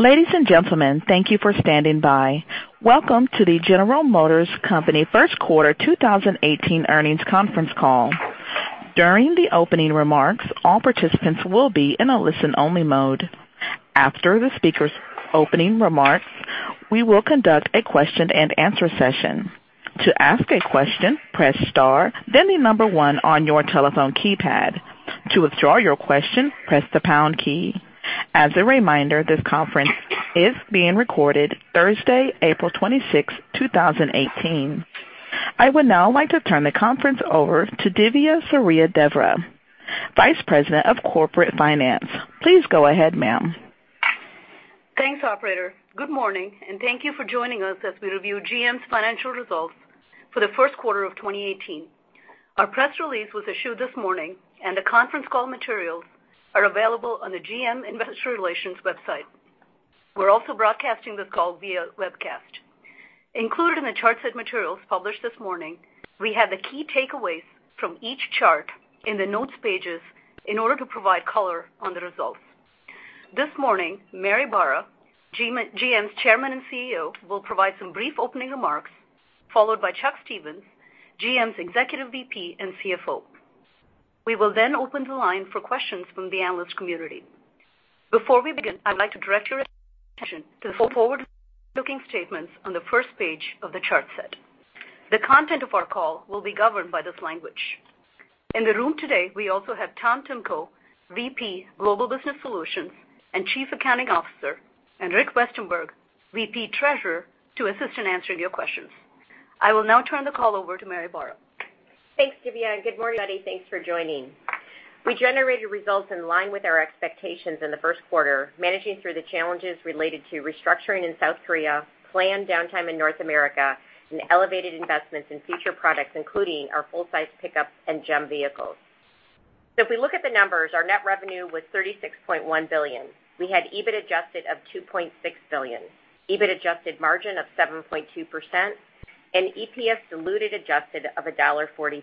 Ladies and gentlemen, thank you for standing by. Welcome to the General Motors Company First Quarter 2018 Earnings Conference Call. During the opening remarks, all participants will be in a listen-only mode. After the speakers' opening remarks, we will conduct a question and answer session. To ask a question, press star, then the number one on your telephone keypad. To withdraw your question, press the pound key. As a reminder, this conference is being recorded Thursday, April 26, 2018. I would now like to turn the conference over to Dhivya Suryadevara, Vice President of Corporate Finance. Please go ahead, ma'am. Thanks, operator. Good morning, and thank you for joining us as we review GM's financial results for the first quarter of 2018. Our press release was issued this morning, and the conference call materials are available on the GM Investor Relations website. We are also broadcasting this call via webcast. Included in the chart set materials published this morning, we have the key takeaways from each chart in the notes pages in order to provide color on the results. This morning, Mary Barra, GM's Chairman and CEO, will provide some brief opening remarks, followed by Chuck Stevens, GM's Executive VP and CFO. We will then open the line for questions from the analyst community. Before we begin, I would like to direct your attention to the forward-looking statements on the first page of the chart set. The content of our call will be governed by this language. In the room today, we also have Thomas Timko, VP Global Business Solutions and Chief Accounting Officer, and Richard Westenberg, VP Treasurer, to assist in answering your questions. I will now turn the call over to Mary Barra. Thanks, Dhivya, and good morning, everybody. Thanks for joining. We generated results in line with our expectations in the first quarter, managing through the challenges related to restructuring in South Korea, planned downtime in North America, and elevated investments in future products, including our full-size pickup and GEM vehicles. If we look at the numbers, our net revenue was $36.1 billion. We had EBIT adjusted of $2.6 billion, EBIT adjusted margin of 7.2%, and EPS diluted adjusted of $1.43.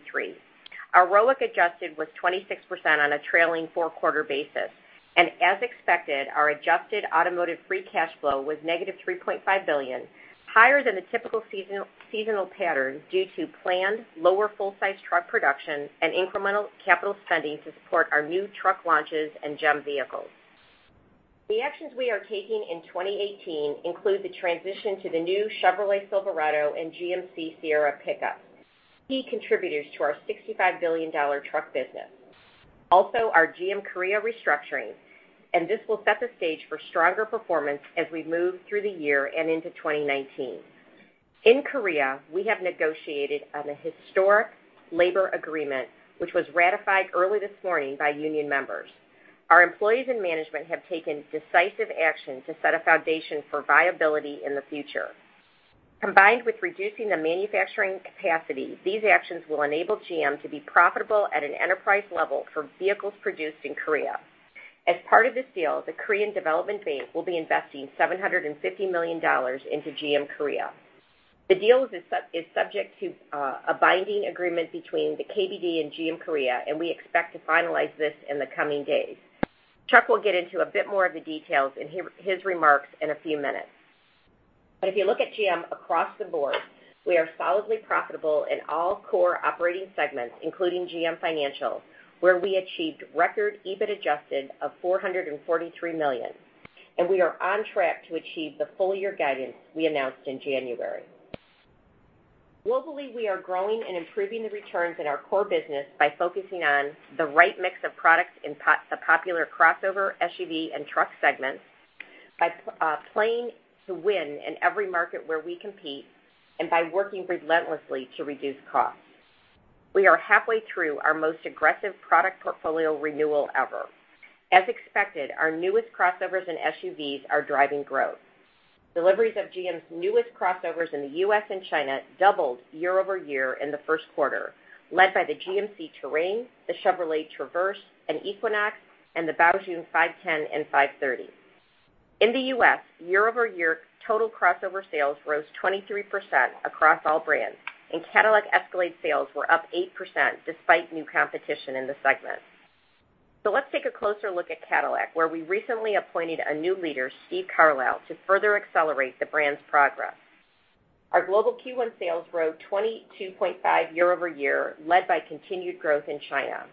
Our ROIC adjusted was 26% on a trailing four-quarter basis. As expected, our adjusted automotive free cash flow was negative $3.5 billion, higher than the typical seasonal pattern due to planned lower full-size truck production and incremental capital spending to support our new truck launches and GEM vehicles. The actions we are taking in 2018 include the transition to the new Chevrolet Silverado and GMC Sierra pickup, key contributors to our $65 billion truck business. Our GM Korea restructuring. This will set the stage for stronger performance as we move through the year and into 2019. In Korea, we have negotiated on a historic labor agreement, which was ratified early this morning by union members. Our employees and management have taken decisive action to set a foundation for viability in the future. Combined with reducing the manufacturing capacity, these actions will enable GM to be profitable at an enterprise level for vehicles produced in Korea. As part of this deal, the Korea Development Bank will be investing $750 million into GM Korea. The deal is subject to a binding agreement between the KDB and GM Korea. We expect to finalize this in the coming days. Chuck will get into a bit more of the details in his remarks in a few minutes. If you look at GM across the board, we are solidly profitable in all core operating segments, including GM Financial, where we achieved record EBIT adjusted of $443 million. We are on track to achieve the full-year guidance we announced in January. Globally, we are growing and improving the returns in our core business by focusing on the right mix of products in the popular crossover SUV and truck segments, by playing to win in every market where we compete, by working relentlessly to reduce costs. We are halfway through our most aggressive product portfolio renewal ever. As expected, our newest crossovers and SUVs are driving growth. Deliveries of GM's newest crossovers in the U.S. and China doubled year-over-year in the first quarter, led by the GMC Terrain, the Chevrolet Traverse and Equinox, and the Baojun 510 and 530. In the U.S., year-over-year, total crossover sales rose 23% across all brands. Cadillac Escalade sales were up 8% despite new competition in the segment. Let's take a closer look at Cadillac, where we recently appointed a new leader, Stephen Carlisle, to further accelerate the brand's progress. Our global Q1 sales rose 22.5% year-over-year, led by continued growth in China.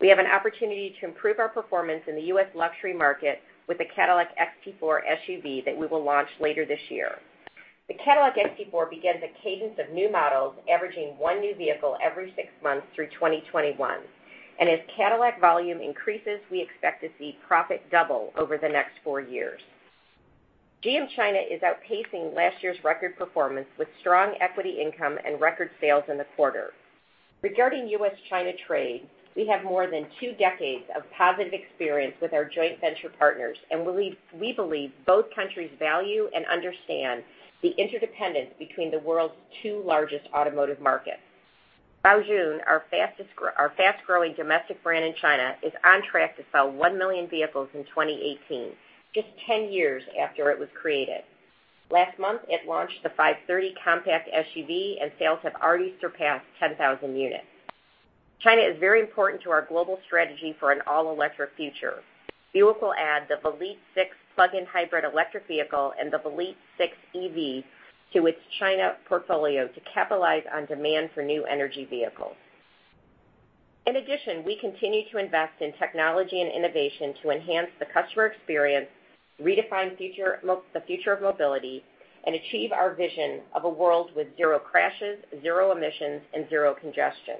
We have an opportunity to improve our performance in the U.S. luxury market with the Cadillac XT4 SUV that we will launch later this year. The Cadillac XT4 begins a cadence of new models averaging one new vehicle every six months through 2021. As Cadillac volume increases, we expect to see profit double over the next four years. GM China is outpacing last year's record performance with strong equity income and record sales in the quarter. Regarding U.S.-China trade, we have more than two decades of positive experience with our joint venture partners. We believe both countries value and understand the interdependence between the world's two largest automotive markets. Baojun, our fast-growing domestic brand in China, is on track to sell 1 million vehicles in 2018, just 10 years after it was created. Last month, it launched the 530 compact SUV. Sales have already surpassed 10,000 units. China is very important to our global strategy for an all-electric future. Buick will add the Velite 6 plug-in hybrid electric vehicle and the Velite 6 EV to its China portfolio to capitalize on demand for new energy vehicles. In addition, we continue to invest in technology and innovation to enhance the customer experience, redefine the future of mobility, and achieve our vision of a world with zero crashes, zero emissions, and zero congestion.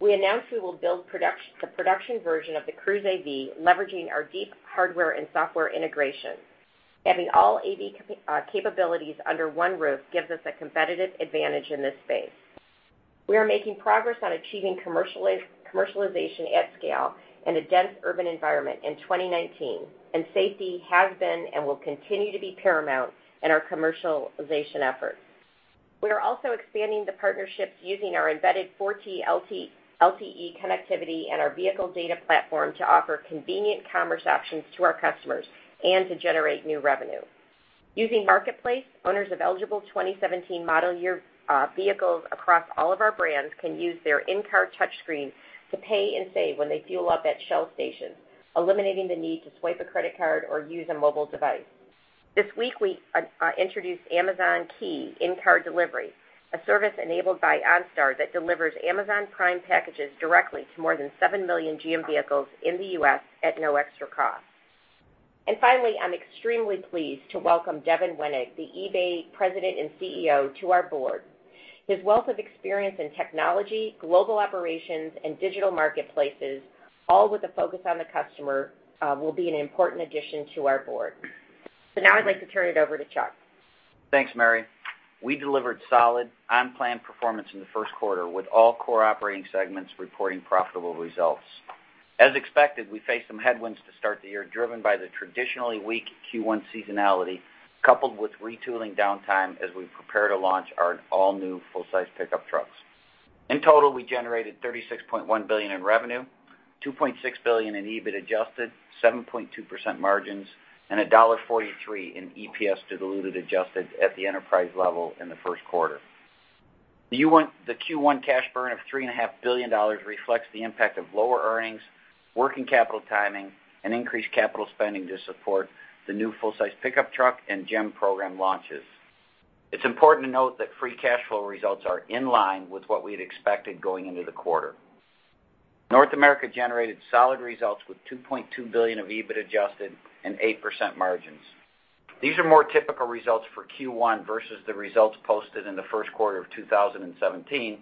We announced we will build the production version of the Cruise AV, leveraging our deep hardware and software integration. Having all AV capabilities under one roof gives us a competitive advantage in this space. We are making progress on achieving commercialization at scale in a dense urban environment in 2019, and safety has been and will continue to be paramount in our commercialization efforts. We are also expanding the partnerships using our embedded 4G LTE connectivity and our vehicle data platform to offer convenient commerce options to our customers and to generate new revenue. Using Marketplace, owners of eligible 2017 model year vehicles across all of our brands can use their in-car touchscreen to pay and save when they fuel up at Shell stations, eliminating the need to swipe a credit card or use a mobile device. Finally, we introduced Amazon Key In-Car Delivery, a service enabled by OnStar that delivers Amazon Prime packages directly to more than 7 million GM vehicles in the U.S. at no extra cost. Now I'd like to turn it over to Chuck. Thanks, Mary. We delivered solid, on-plan performance in the first quarter, with all core operating segments reporting profitable results. As expected, we faced some headwinds to start the year, driven by the traditionally weak Q1 seasonality, coupled with retooling downtime as we prepare to launch our all-new full-size pickup trucks. In total, we generated $36.1 billion in revenue, $2.6 billion in EBIT adjusted, 7.2% margins, and $1.43 in EPS diluted adjusted at the enterprise level in the first quarter. The Q1 cash burn of $3.5 billion reflects the impact of lower earnings, working capital timing, and increased capital spending to support the new full-size pickup truck and GEM program launches. It's important to note that free cash flow results are in line with what we had expected going into the quarter. North America generated solid results with $2.2 billion of EBIT adjusted and 8% margins. These are more typical results for Q1 versus the results posted in the first quarter of 2017,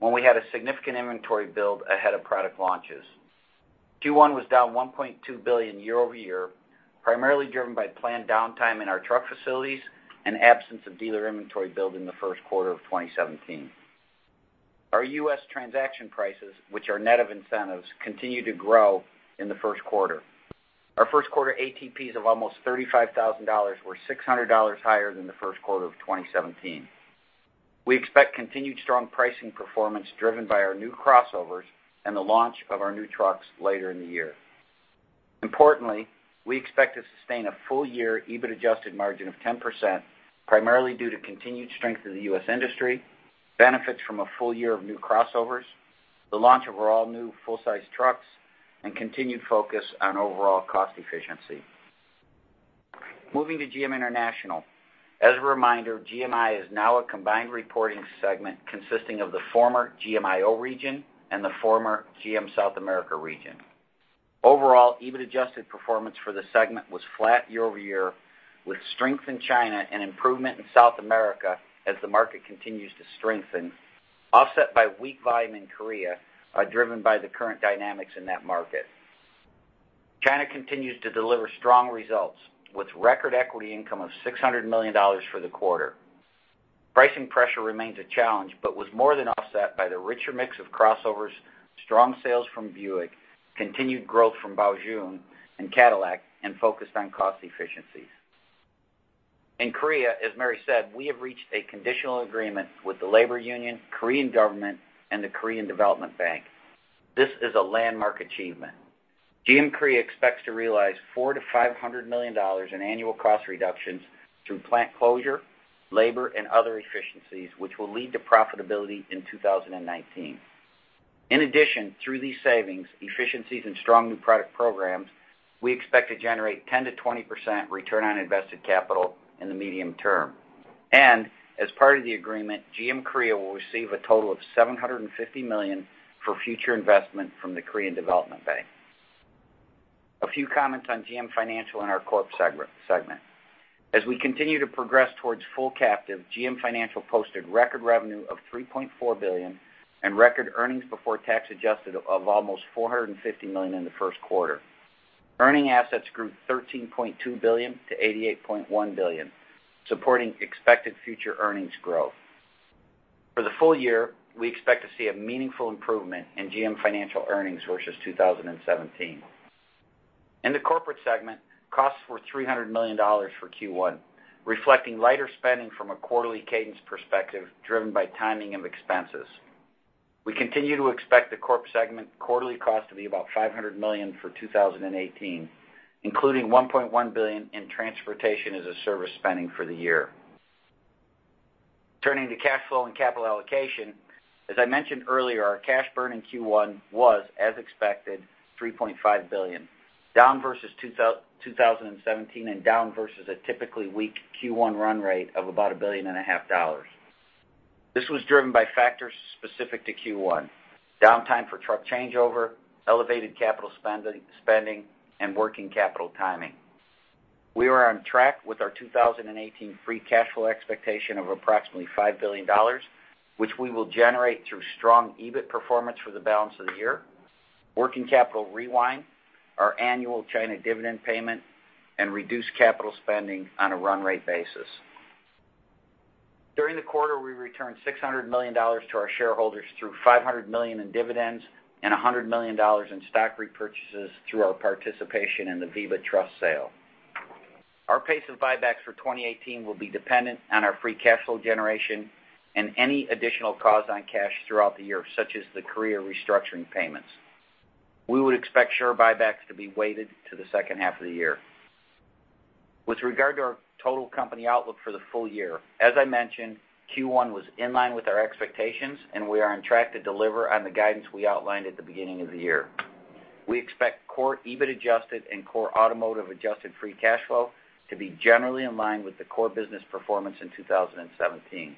when we had a significant inventory build ahead of product launches. Q1 was down $1.2 billion year-over-year, primarily driven by planned downtime in our truck facilities and absence of dealer inventory build in the first quarter of 2017. Our U.S. transaction prices, which are net of incentives, continued to grow in the first quarter. Our first quarter ATPs of almost $35,000 were $600 higher than the first quarter of 2017. We expect continued strong pricing performance driven by our new crossovers and the launch of our new trucks later in the year. Importantly, we expect to sustain a full-year EBIT adjusted margin of 10%, primarily due to continued strength in the U.S. industry, benefits from a full year of new crossovers, the launch of our all-new full-size trucks, and continued focus on overall cost efficiency. Moving to GM International. As a reminder, GMI is now a combined reporting segment consisting of the former GMIO region and the former GM South America region. Overall, EBIT adjusted performance for the segment was flat year-over-year, with strength in China and improvement in South America as the market continues to strengthen, offset by weak volume in Korea, driven by the current dynamics in that market. China continues to deliver strong results, with record equity income of $600 million for the quarter. Pricing pressure remains a challenge, but was more than offset by the richer mix of crossovers, strong sales from Buick, continued growth from Baojun and Cadillac, and focused on cost efficiencies. In Korea, as Mary said, we have reached a conditional agreement with the labor union, Korean government, and the Korea Development Bank. This is a landmark achievement. GM Korea expects to realize $400 million-$500 million in annual cost reductions through plant closure, labor, and other efficiencies, which will lead to profitability in 2019. In addition, through these savings, efficiencies, and strong new product programs, we expect to generate 10%-20% return on invested capital in the medium term. As part of the agreement, GM Korea will receive a total of $750 million for future investment from the Korea Development Bank. A few comments on GM Financial and our Corp segment. As we continue to progress towards full captive, GM Financial posted record revenue of $3.4 billion and record earnings before tax adjusted of almost $450 million in the first quarter. Earning assets grew $13.2 billion to $88.1 billion, supporting expected future earnings growth. For the full year, we expect to see a meaningful improvement in GM Financial earnings versus 2017. In the corporate segment, costs were $300 million for Q1, reflecting lighter spending from a quarterly cadence perspective driven by timing of expenses. We continue to expect the Corp segment quarterly cost to be about $500 million for 2018, including $1.1 billion in transportation as a service spending for the year. Turning to cash flow and capital allocation. As I mentioned earlier, our cash burn in Q1 was, as expected, $3.5 billion, down versus 2017 and down versus a typically weak Q1 run rate of about $1.5 billion. This was driven by factors specific to Q1, downtime for truck changeover, elevated capital spending, and working capital timing. We are on track with our 2018 free cash flow expectation of approximately $5 billion, which we will generate through strong EBIT performance for the balance of the year, working capital rewind, our annual China dividend payment, and reduced capital spending on a run rate basis. During the quarter, we returned $600 million to our shareholders through $500 million in dividends and $100 million in stock repurchases through our participation in the VEBA Trust sale. Our pace of buybacks for 2018 will be dependent on our free cash flow generation and any additional calls on cash throughout the year, such as the Korea restructuring payments. We would expect share buybacks to be weighted to the second half of the year. With regard to our total company outlook for the full year, as I mentioned, Q1 was in line with our expectations, and we are on track to deliver on the guidance we outlined at the beginning of the year. We expect core EBIT adjusted and core automotive adjusted free cash flow to be generally in line with the core business performance in 2017.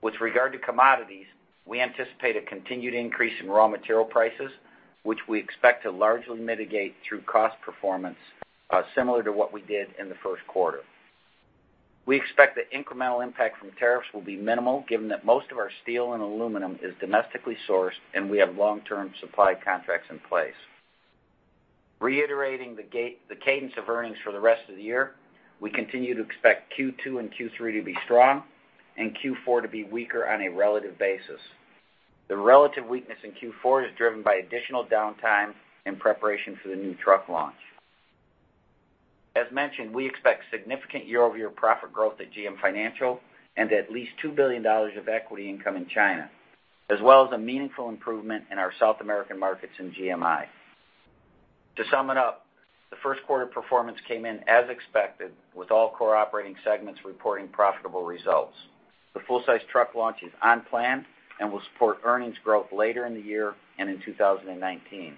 With regard to commodities, we anticipate a continued increase in raw material prices, which we expect to largely mitigate through cost performance, similar to what we did in the first quarter. We expect the incremental impact from tariffs will be minimal, given that most of our steel and aluminum is domestically sourced, and we have long-term supply contracts in place. Reiterating the cadence of earnings for the rest of the year, we continue to expect Q2 and Q3 to be strong and Q4 to be weaker on a relative basis. The relative weakness in Q4 is driven by additional downtime in preparation for the new truck launch. As mentioned, we expect significant year-over-year profit growth at GM Financial and at least $2 billion of equity income in China, as well as a meaningful improvement in our South American markets in GMI. To sum it up, the first quarter performance came in as expected, with all core operating segments reporting profitable results. The full-size truck launch is on plan and will support earnings growth later in the year and in 2019.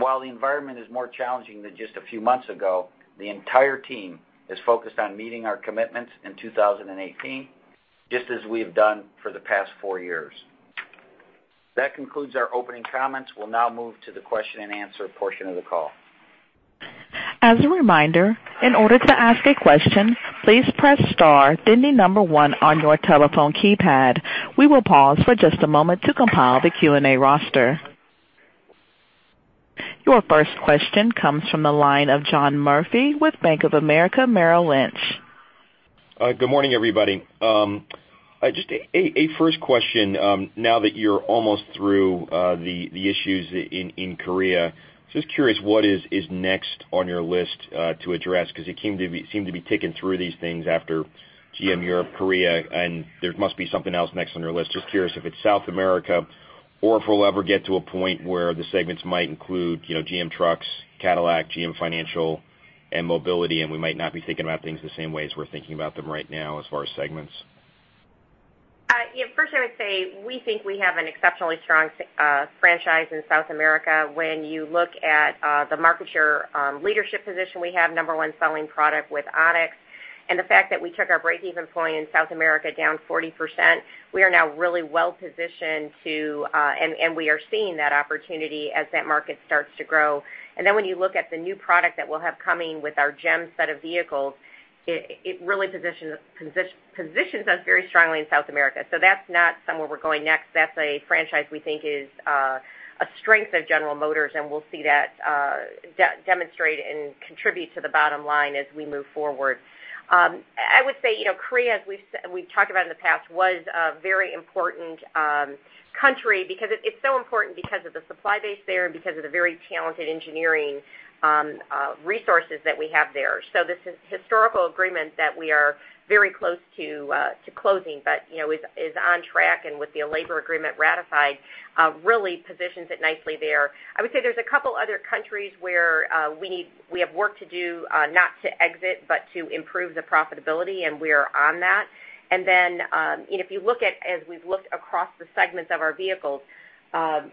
While the environment is more challenging than just a few months ago, the entire team is focused on meeting our commitments in 2018, just as we have done for the past four years. That concludes our opening comments. We will now move to the question and answer portion of the call. As a reminder, in order to ask a question, please press star, then the number one on your telephone keypad. We will pause for just a moment to compile the Q&A roster. Your first question comes from the line of John Murphy with Bank of America Merrill Lynch. Good morning, everybody. Just a first question, now that you're almost through the issues in Korea, just curious, what is next on your list to address? You seem to be ticking through these things after GM Europe, Korea, there must be something else next on your list. Just curious if it's South America or if we'll ever get to a point where the segments might include GM Trucks, Cadillac, GM Financial, and Mobility, we might not be thinking about things the same way as we're thinking about them right now as far as segments. Yeah. First, I would say we think we have an exceptionally strong franchise in South America. When you look at the market share leadership position we have, number one selling product with Onix, the fact that we took our breakeven point in South America down 40%, we are now really well positioned. We are seeing that opportunity as that market starts to grow. When you look at the new product that we'll have coming with our GEM set of vehicles, it really positions us very strongly in South America. That's not somewhere we're going next. That's a franchise we think is a strength of General Motors, we'll see that demonstrate and contribute to the bottom line as we move forward. I would say, Korea, as we've talked about in the past, was a very important country, because it's so important because of the supply base there and because of the very talented engineering resources that we have there. This historical agreement that we are very close to closing, is on track with the labor agreement ratified, really positions it nicely there. I would say there's a couple other countries where we have work to do, not to exit, to improve the profitability, we are on that. If you look at, as we've looked across the segments of our vehicles,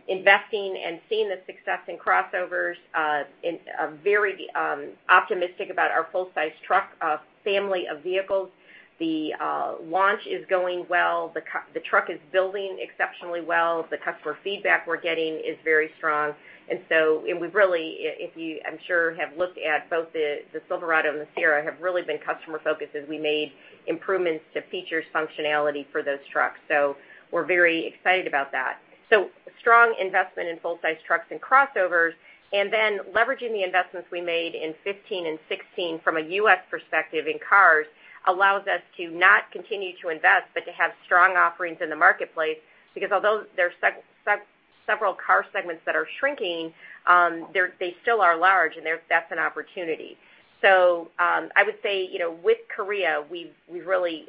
investing and seeing the success in crossovers, I'm very optimistic about our full size truck family of vehicles. The launch is going well. The truck is building exceptionally well. The customer feedback we're getting is very strong. We really, if you, I'm sure, have looked at both the Silverado and the Sierra, have really been customer-focused as we made improvements to features functionality for those trucks. We're very excited about that. Strong investment in full size trucks and crossovers, leveraging the investments we made in 2015 and 2016 from a U.S. perspective in cars allows us to not continue to invest, to have strong offerings in the marketplace. Although there's several car segments that are shrinking, they still are large, that's an opportunity. I would say, with Korea, we've really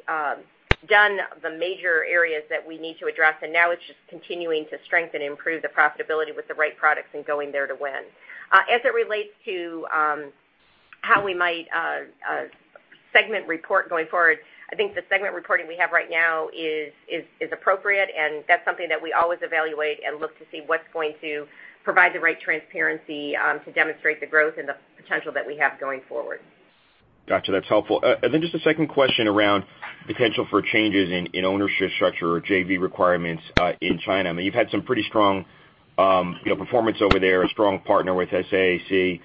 done the major areas that we need to address, now it's just continuing to strengthen and improve the profitability with the right products and going there to win. As it relates to how we might segment report going forward. I think the segment reporting we have right now is appropriate, that's something that we always evaluate and look to see what's going to provide the right transparency to demonstrate the growth and the potential that we have going forward. Got you. That's helpful. Then just a second question around potential for changes in ownership structure or JV requirements in China. I mean, you've had some pretty strong performance over there, a strong partner with SAIC.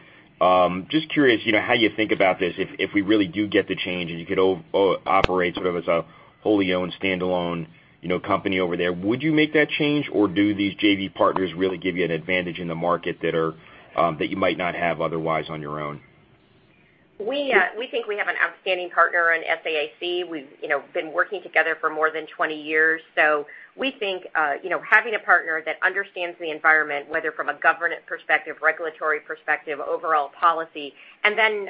Just curious, how you think about this, if we really do get the change and you could operate sort of as a wholly owned standalone company over there. Would you make that change or do these JV partners really give you an advantage in the market that you might not have otherwise on your own? We think we have an outstanding partner in SAIC. We've been working together for more than 20 years. We think having a partner that understands the environment, whether from a governance perspective, regulatory perspective, overall policy, and then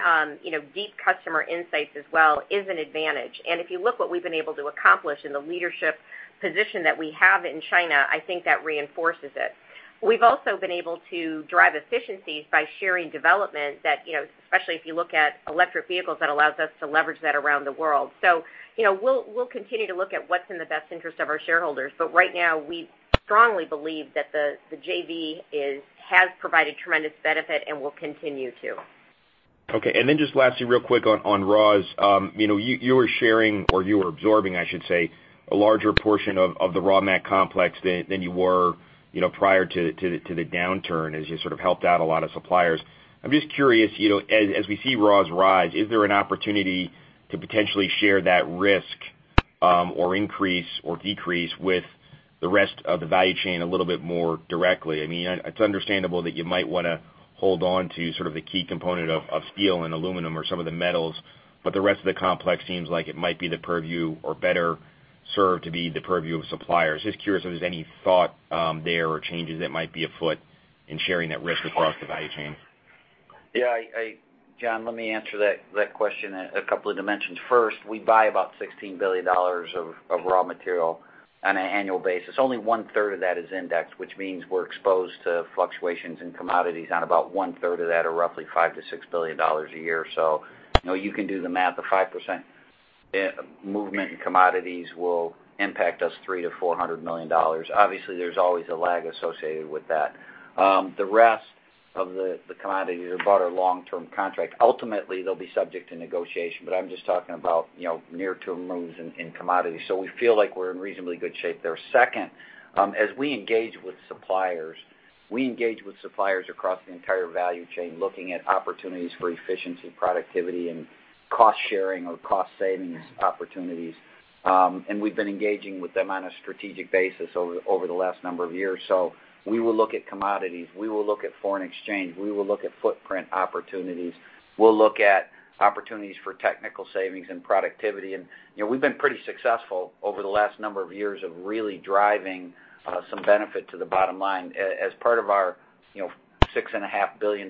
deep customer insights as well is an advantage. If you look what we've been able to accomplish in the leadership position that we have in China, I think that reinforces it. We've also been able to drive efficiencies by sharing development that, especially if you look at electric vehicles, that allows us to leverage that around the world. We'll continue to look at what's in the best interest of our shareholders. Right now, we strongly believe that the JV has provided tremendous benefit and will continue to. Okay. Then just lastly, real quick on raws. You were sharing or you were absorbing, I should say, a larger portion of the raw mat complex than you were prior to the downturn as you sort of helped out a lot of suppliers. I'm just curious, as we see raws rise, is there an opportunity to potentially share that risk, or increase or decrease with the rest of the value chain a little bit more directly? I mean, it's understandable that you might want to hold on to sort of the key component of steel and aluminum or some of the metals, but the rest of the complex seems like it might be the purview or better served to be the purview of suppliers. Just curious if there's any thought there or changes that might be afoot in sharing that risk across the value chain. Yeah. John, let me answer that question, a couple of dimensions. First, we buy about $16 billion of raw material on an annual basis. Only one-third of that is indexed, which means we're exposed to fluctuations in commodities on about one-third of that or roughly $5 billion-$6 billion a year. You can do the math of 5% movement in commodities will impact us $300 million-$400 million. Obviously, there's always a lag associated with that. The rest of the commodities are bought are long-term contract. Ultimately, they'll be subject to negotiation, but I'm just talking about near-term moves in commodities. We feel like we're in reasonably good shape there. Second, as we engage with suppliers, we engage with suppliers across the entire value chain, looking at opportunities for efficiency, productivity, and cost-sharing or cost savings opportunities. We've been engaging with them on a strategic basis over the last number of years. We will look at commodities, we will look at foreign exchange, we will look at footprint opportunities. We'll look at opportunities for technical savings and productivity. We've been pretty successful over the last number of years of really driving some benefit to the bottom line as part of our $6.5 billion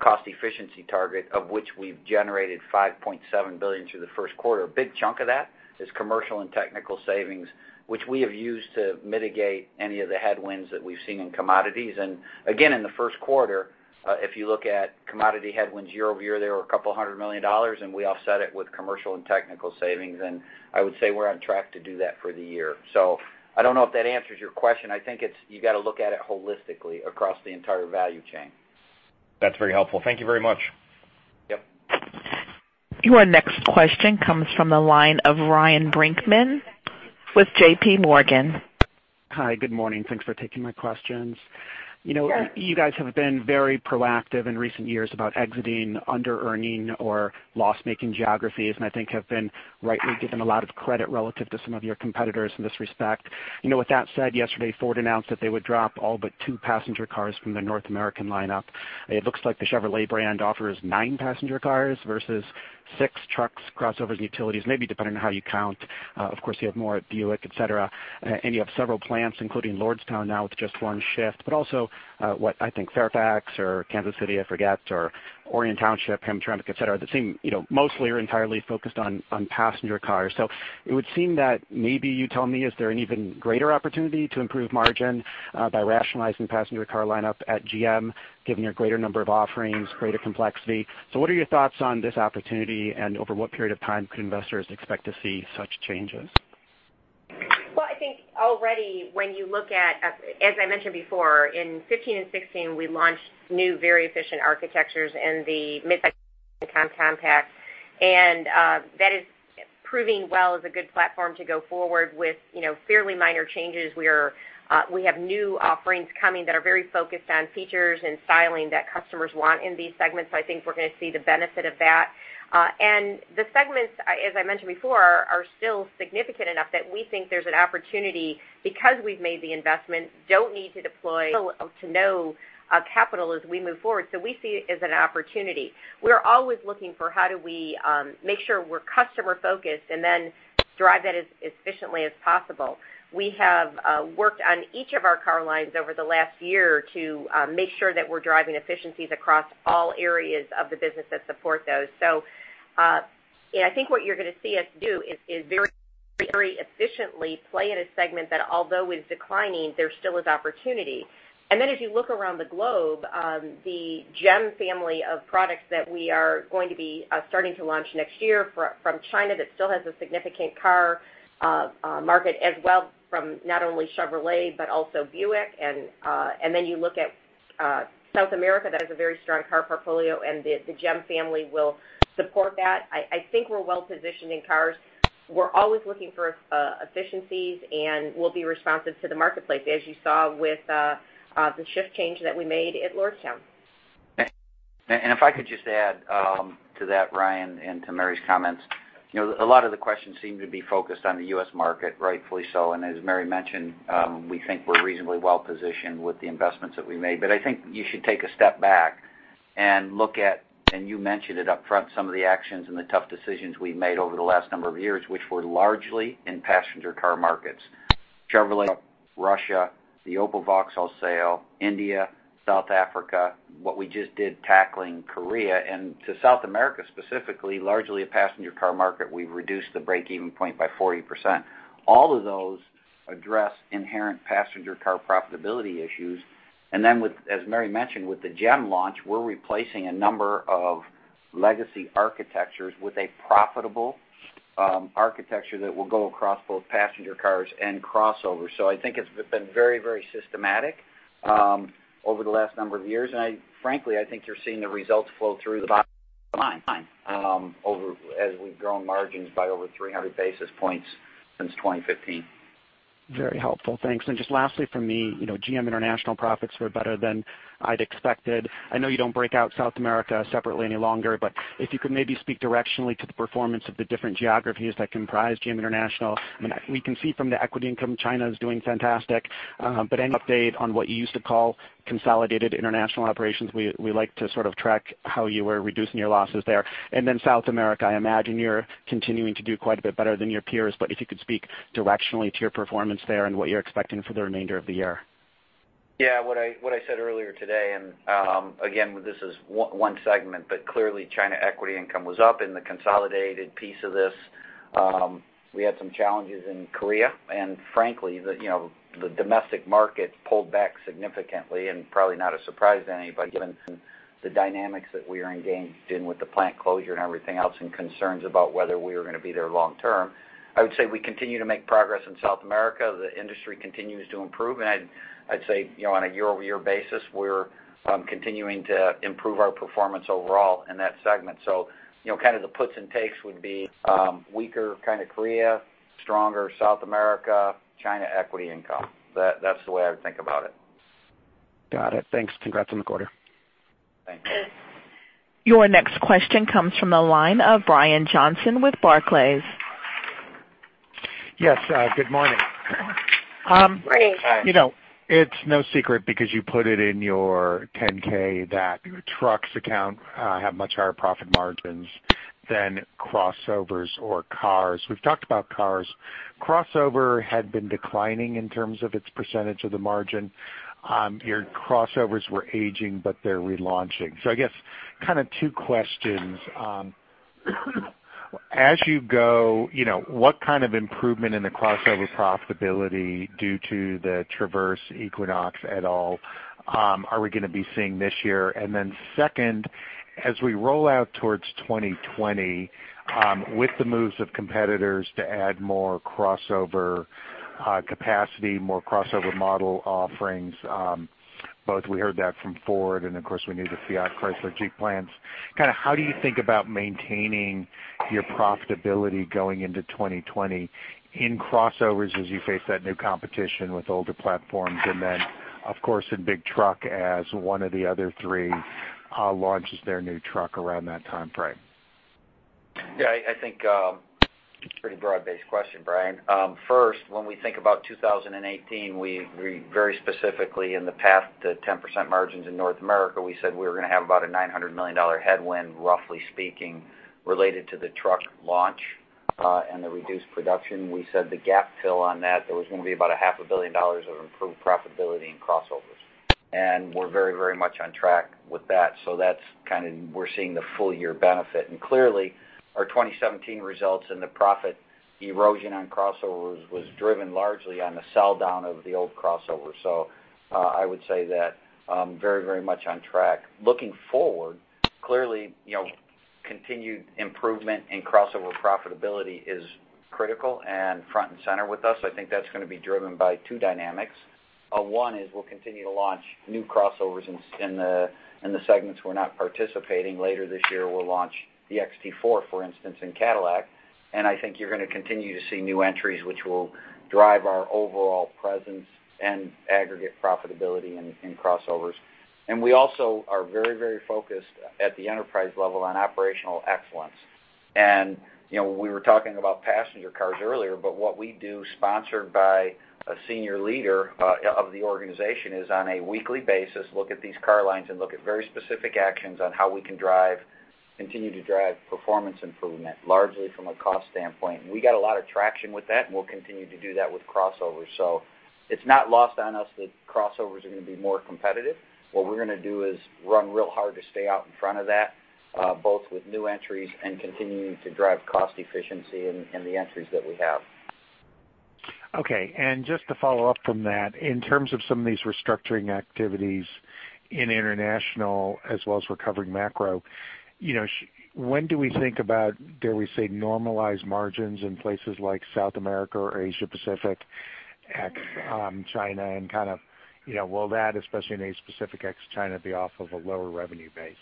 cost efficiency target, of which we've generated $5.7 billion through the first quarter. A big chunk of that is commercial and technical savings, which we have used to mitigate any of the headwinds that we've seen in commodities. Again, in the first quarter, if you look at commodity headwinds year-over-year, they were a couple of hundred million dollars, and we offset it with commercial and technical savings. I would say we're on track to do that for the year. I don't know if that answers your question. I think you got to look at it holistically across the entire value chain. That's very helpful. Thank you very much. Yep. Your next question comes from the line of Ryan Brinkman with JPMorgan. Hi, good morning. Thanks for taking my questions. Sure. You guys have been very proactive in recent years about exiting under-earning or loss-making geographies, I think have been rightly given a lot of credit relative to some of your competitors in this respect. With that said, yesterday, Ford announced that they would drop all but two passenger cars from the North American lineup. It looks like the Chevrolet brand offers nine passenger cars versus six trucks, crossovers, utilities, maybe depending on how you count. Of course, you have more at Buick, et cetera. You have several plants, including Lordstown now with just one shift. But also, what I think Fairfax or Kansas City, I forget, or Orion Township, Hamtramck, et cetera, that seem mostly or entirely focused on passenger cars. It would seem that maybe you tell me, is there an even greater opportunity to improve margin by rationalizing passenger car lineup at GM, given your greater number of offerings, greater complexity? What are your thoughts on this opportunity, and over what period of time could investors expect to see such changes? I think already when you look at, as I mentioned before, in 2015 and 2016, we launched new very efficient architectures in the midsize compact, that is proving well as a good platform to go forward with fairly minor changes. We have new offerings coming that are very focused on features and styling that customers want in these segments, I think we're going to see the benefit of that. The segments, as I mentioned before, are still significant enough that we think there's an opportunity, because we've made the investment, don't need to deploy to no capital as we move forward. We see it as an opportunity. We're always looking for how do we make sure we're customer-focused and then drive that as efficiently as possible. We have worked on each of our car lines over the last year to make sure that we're driving efficiencies across all areas of the business that support those. I think what you're going to see us do is very efficiently play in a segment that although is declining, there still is opportunity. If you look around the globe, the GEM family of products that we are going to be starting to launch next year from China, that still has a significant car market as well, from not only Chevrolet, but also Buick. You look at South America, that has a very strong car portfolio, and the GEM family will support that. I think we're well-positioned in cars. We're always looking for efficiencies, and we'll be responsive to the marketplace as you saw with the shift change that we made at Lordstown. If I could just add to that, Ryan, and to Mary's comments. A lot of the questions seem to be focused on the U.S. market, rightfully so, as Mary mentioned, we think we're reasonably well-positioned with the investments that we made. I think you should take a step back and look at, you mentioned it upfront, some of the actions and the tough decisions we've made over the last number of years, which were largely in passenger car markets. Chevrolet, Russia, the Opel/Vauxhall sale, India, South Africa, what we just did tackling Korea, to South America specifically, largely a passenger car market, we've reduced the break-even point by 40%. All of those address inherent passenger car profitability issues. As Mary mentioned, with the GEM launch, we're replacing a number of legacy architectures with a profitable architecture that will go across both passenger cars and crossovers. I think it's been very systematic, over the last number of years. Frankly, I think you're seeing the results flow through the bottom line, as we've grown margins by over 300 basis points since 2015. Very helpful. Thanks. Just lastly from me, GM International profits were better than I'd expected. I know you don't break out South America separately any longer, but if you could maybe speak directionally to the performance of the different geographies that comprise GM International. We can see from the equity income, China is doing fantastic. Any update on what you used to call Consolidated International Operations? We like to track how you were reducing your losses there. South America, I imagine you're continuing to do quite a bit better than your peers, but if you could speak directionally to your performance there and what you're expecting for the remainder of the year. What I said earlier today, and again, this is one segment, but clearly China equity income was up in the consolidated piece of this. We had some challenges in Korea, and frankly, the domestic market pulled back significantly and probably not a surprise to anybody given the dynamics that we are engaged in with the plant closure and everything else, and concerns about whether we were going to be there long term. I would say we continue to make progress in South America. The industry continues to improve, and I'd say on a year-over-year basis, we're continuing to improve our performance overall in that segment. The puts and takes would be weaker Korea, stronger South America, China equity income. That's the way I would think about it. Got it. Thanks. Congrats on the quarter. Thank you. Your next question comes from the line of Brian Johnson with Barclays. Yes, good morning. Morning. Hi. It's no secret because you put it in your 10-K that your trucks account have much higher profit margins than crossovers or cars. We've talked about cars. Crossover had been declining in terms of its percentage of the margin. Your crossovers were aging, but they're relaunching. I guess two questions. Second, as we roll out towards 2020, with the moves of competitors to add more crossover capacity, more crossover model offerings, both we heard that from Ford and of course we knew the Fiat Chrysler Jeep plans. How do you think about maintaining your profitability going into 2020 in crossovers as you face that new competition with older platforms? Of course, in big truck as one of the other three launches their new truck around that timeframe. I think it's a pretty broad-based question, Brian. When we think about 2018, we very specifically in the path to 10% margins in North America, we said we were going to have about a $900 million headwind, roughly speaking, related to the truck launch, and the reduced production. We said the gap fill on that, there was going to be about a half a billion dollars of improved profitability in crossovers. We're very much on track with that. We're seeing the full-year benefit. Clearly, our 2017 results and the profit erosion on crossovers was driven largely on the sell-down of the old crossover. I would say that very much on track. Looking forward, clearly, continued improvement in crossover profitability is critical and front and center with us. I think that's going to be driven by two dynamics. One is we'll continue to launch new crossovers in the segments we're not participating. Later this year, we'll launch the XT4, for instance, in Cadillac. I think you're going to continue to see new entries, which will drive our overall presence and aggregate profitability in crossovers. We also are very focused at the enterprise level on operational excellence. We were talking about passenger cars earlier, what we do sponsored by a senior leader of the organization is on a weekly basis, look at these car lines and look at very specific actions on how we can continue to drive performance improvement, largely from a cost standpoint. We got a lot of traction with that, and we'll continue to do that with crossovers. It's not lost on us that crossovers are going to be more competitive. What we're going to do is run real hard to stay out in front of that, both with new entries and continuing to drive cost efficiency in the entries that we have. Okay. Just to follow up from that, in terms of some of these restructuring activities in international as well as recovering macro, when do we think about, dare we say, normalized margins in places like South America or Asia-Pacific, ex China, and will that, especially in Asia-Pacific, ex China, be off of a lower revenue base?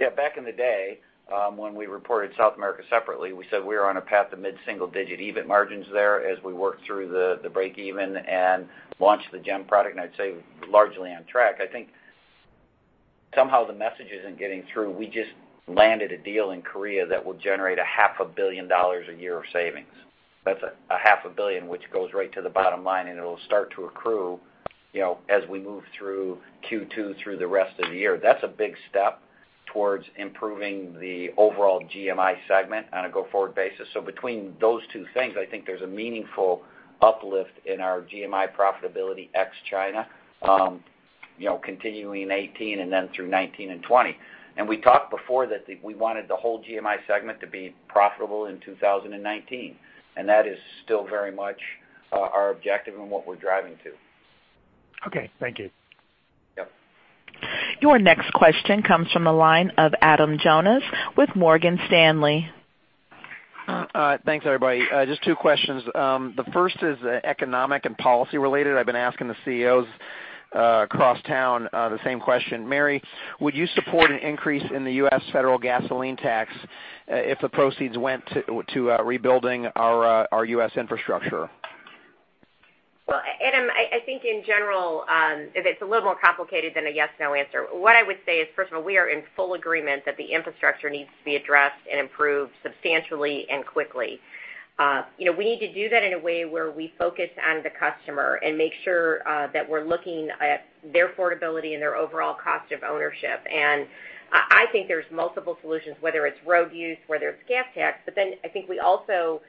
Yeah. Back in the day, when we reported South America separately, we said we were on a path to mid-single-digit EBIT margins there as we worked through the break even and launched the GEM product, I'd say largely on track. I think somehow the message isn't getting through. We just landed a deal in Korea that will generate a half a billion dollars a year of savings. That's a half a billion, which goes right to the bottom line, and it'll start to accrue as we move through Q2 through the rest of the year. That's a big step towards improving the overall GMI segment on a go-forward basis. Between those two things, I think there's a meaningful uplift in our GMI profitability, ex China, continuing in 2018 and then through 2019 and 2020. We talked before that we wanted the whole GMI segment to be profitable in 2019, That is still very much our objective and what we're driving to. Okay. Thank you. Yep. Your next question comes from the line of Adam Jonas with Morgan Stanley. Thanks, everybody. Just two questions. The first is economic and policy related. I've been asking the CEOs across town the same question. Mary, would you support an increase in the U.S. federal gasoline tax if the proceeds went to rebuilding our U.S. infrastructure? Adam, I think in general, it's a little more complicated than a yes/no answer. What I would say is, first of all, we are in full agreement that the infrastructure needs to be addressed and improved substantially and quickly. We need to do that in a way where we focus on the customer and make sure that we're looking at their affordability and their overall cost of ownership. I think there's multiple solutions, whether it's road use, whether it's gas tax, I think we also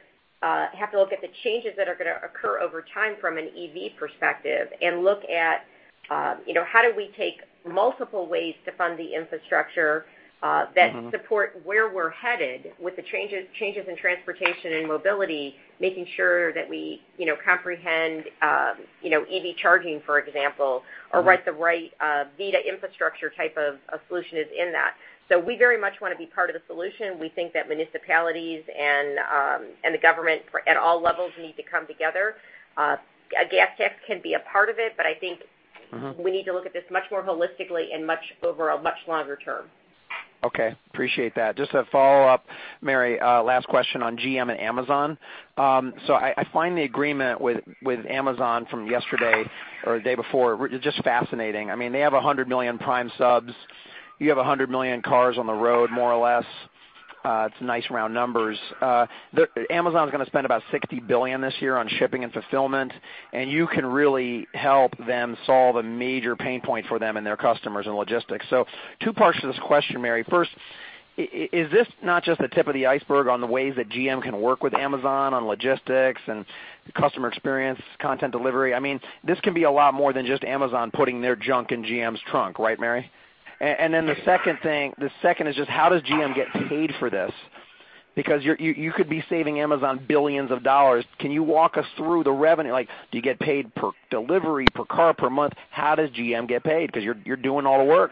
have to look at the changes that are going to occur over time from an EV perspective and look at how do we take multiple ways to fund the infrastructure that support where we're headed with the changes in transportation and mobility, making sure that we comprehend EV charging, for example, or what the right V2I infrastructure type of solution is in that. We very much want to be part of the solution. We think that municipalities and the government at all levels need to come together. A gas tax can be a part of it, I think we need to look at this much more holistically and over a much longer term. Okay. Appreciate that. Just a follow-up, Mary. Last question on GM and Amazon. I find the agreement with Amazon from yesterday or the day before just fascinating. They have 100 million Prime subs. You have 100 million cars on the road, more or less. It's nice, round numbers. Amazon's going to spend about $60 billion this year on shipping and fulfillment, you can really help them solve a major pain point for them and their customers in logistics. Two parts to this question, Mary. First, is this not just the tip of the iceberg on the ways that GM can work with Amazon on logistics and customer experience, content delivery? This can be a lot more than just Amazon putting their junk in GM's trunk. Right, Mary? The second is just how does GM get paid for this? You could be saving Amazon billions of dollars. Can you walk us through the revenue? Do you get paid per delivery, per car, per month? How does GM get paid? You're doing all the work.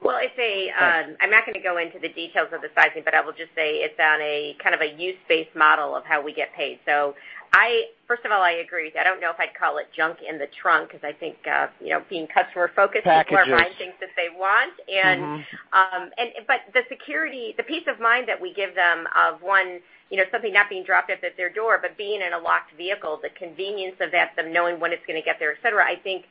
I'm not going to go into the details of the sizing, I will just say it's on a use-based model of how we get paid. First of all, I agree with you. I don't know if I'd call it junk in the trunk because I think, being customer focused Packages people are buying things that they want. The peace of mind that we give them of one, something not being dropped off at their door, but being in a locked vehicle, the convenience of that, them knowing when it's going to get there, et cetera, I think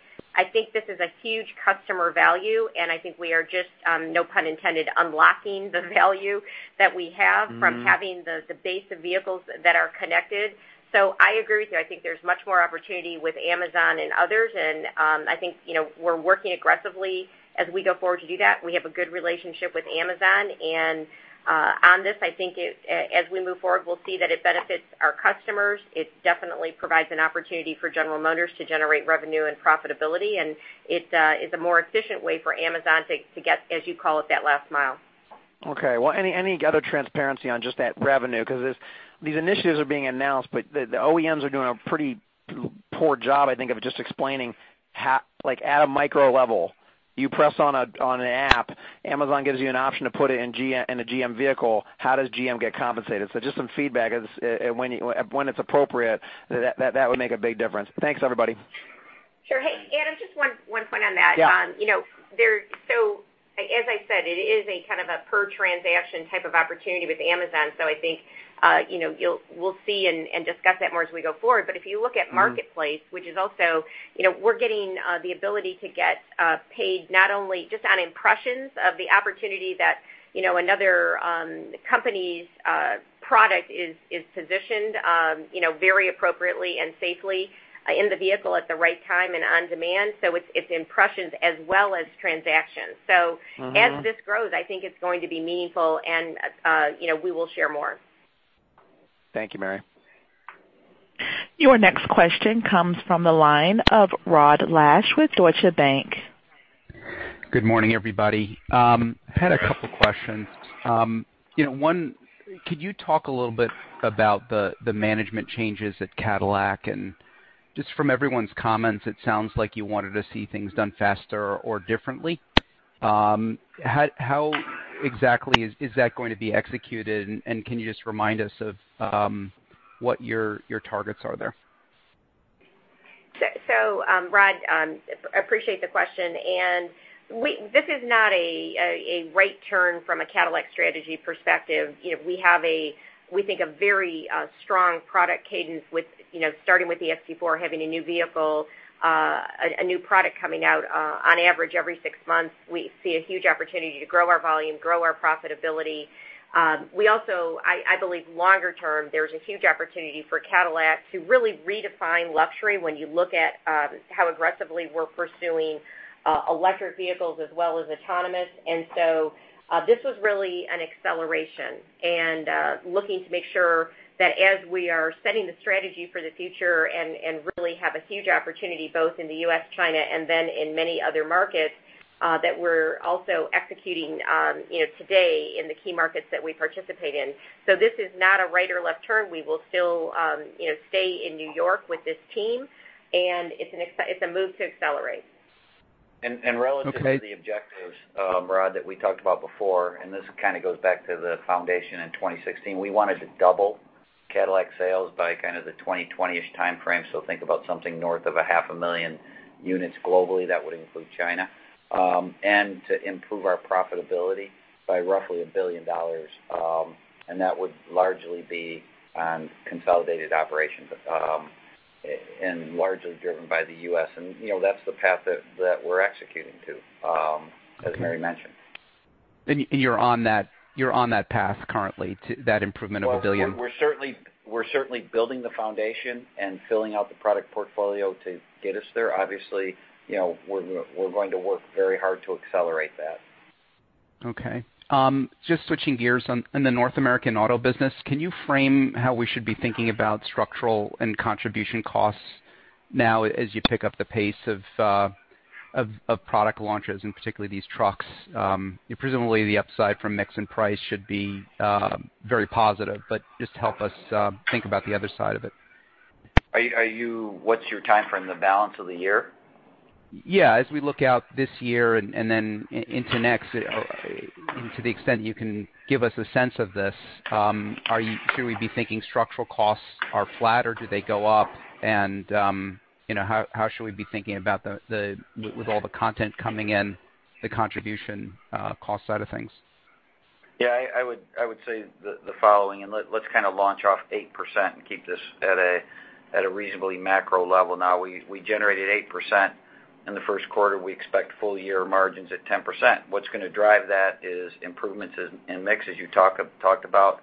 this is a huge customer value, and I think we are just, no pun intended, unlocking the value that we have from having the base of vehicles that are connected. I agree with you. I think there's much more opportunity with Amazon and others, and I think we're working aggressively as we go forward to do that. We have a good relationship with Amazon. On this, I think as we move forward, we'll see that it benefits our customers. It definitely provides an opportunity for General Motors to generate revenue and profitability. It's a more efficient way for Amazon to get, as you call it, that last mile. Well, any other transparency on just that revenue? These initiatives are being announced, but the OEMs are doing a pretty poor job, I think, of just explaining at a micro level. You press on an app, Amazon gives you an option to put it in a GM vehicle. How does GM get compensated? Just some feedback when it's appropriate, that would make a big difference. Thanks, everybody. Hey, Adam, just one point on that. Yeah. As I said, it is a kind of a per transaction type of opportunity with Amazon. I think we'll see and discuss that more as we go forward. If you look at Marketplace, we're getting the ability to get paid not only just on impressions of the opportunity that another company's product is positioned very appropriately and safely in the vehicle at the right time and on demand. It's impressions as well as transactions. As this grows, I think it's going to be meaningful, and we will share more. Thank you, Mary. Your next question comes from the line of Rod Lache with Deutsche Bank. Good morning, everybody. I had a couple questions. One, could you talk a little bit about the management changes at Cadillac? Just from everyone's comments, it sounds like you wanted to see things done faster or differently. How exactly is that going to be executed, and can you just remind us of what your targets are there? Rod, appreciate the question. This is not a right turn from a Cadillac strategy perspective. We have, we think, a very strong product cadence starting with the XT4 having a new vehicle, a new product coming out on average every six months. We see a huge opportunity to grow our volume, grow our profitability. I believe longer term, there's a huge opportunity for Cadillac to really redefine luxury when you look at how aggressively we're pursuing electric vehicles as well as autonomous. This was really an acceleration, and looking to make sure that as we are setting the strategy for the future and really have a huge opportunity both in the U.S., China, and then in many other markets, that we're also executing today in the key markets that we participate in. This is not a right or left turn. We will still stay in New York with this team, it's a move to accelerate. Okay. Relative to the objectives, Rod Lache, that we talked about before, this kind of goes back to the foundation in 2016, we wanted to double Cadillac sales by kind of the 2020-ish timeframe. Think about something north of a half a million units globally. That would include China. To improve our profitability by roughly $1 billion. That would largely be on consolidated operations, and largely driven by the U.S. That's the path that we're executing to, as Mary Barra mentioned. You're on that path currently to that improvement of $1 billion? Well, we're certainly building the foundation and filling out the product portfolio to get us there. Obviously, we're going to work very hard to accelerate that. Okay. Just switching gears. In the North American auto business, can you frame how we should be thinking about structural and contribution costs now as you pick up the pace of product launches, and particularly these trucks? Presumably, the upside from mix and price should be very positive, but just help us think about the other side of it. What's your timeframe? The balance of the year? Yeah. As we look out this year and then into next, to the extent you can give us a sense of this, should we be thinking structural costs are flat, or do they go up? How should we be thinking about, with all the content coming in, the contribution cost side of things? Yeah. I would say the following, and let's kind of launch off 8% and keep this at a reasonably macro level. We generated 8% in the first quarter. We expect full-year margins at 10%. What's going to drive that is improvements in mix, as you talked about,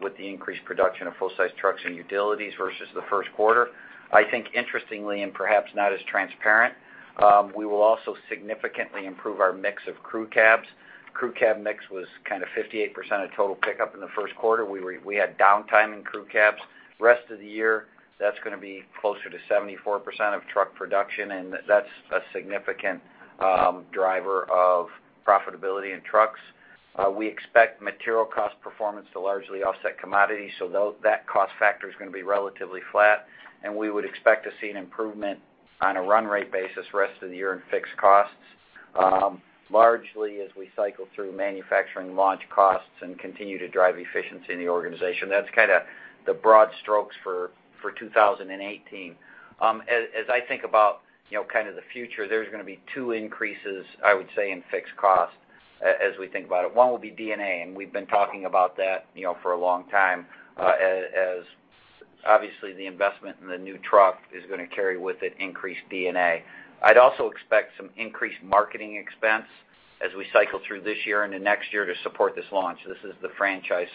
with the increased production of full-size trucks and utilities versus the first quarter. I think interestingly, and perhaps not as transparent, we will also significantly improve our mix of crew cabs. Crew cab mix was kind of 58% of total pickup in the first quarter. We had downtime in crew cabs. Rest of the year, that's going to be closer to 74% of truck production, and that's a significant driver of profitability in trucks. That cost factor is going to be relatively flat, and we would expect to see an improvement on a run rate basis rest of the year in fixed costs, largely as we cycle through manufacturing launch costs and continue to drive efficiency in the organization. That's kind of the broad strokes for 2018. As I think about kind of the future, there are going to be 2 increases, I would say, in fixed cost as we think about it. One will be D&A, and we've been talking about that for a long time, as obviously the investment in the new truck is going to carry with it increased D&A. I'd also expect some increased marketing expense as we cycle through this year and the next year to support this launch. This is the franchise,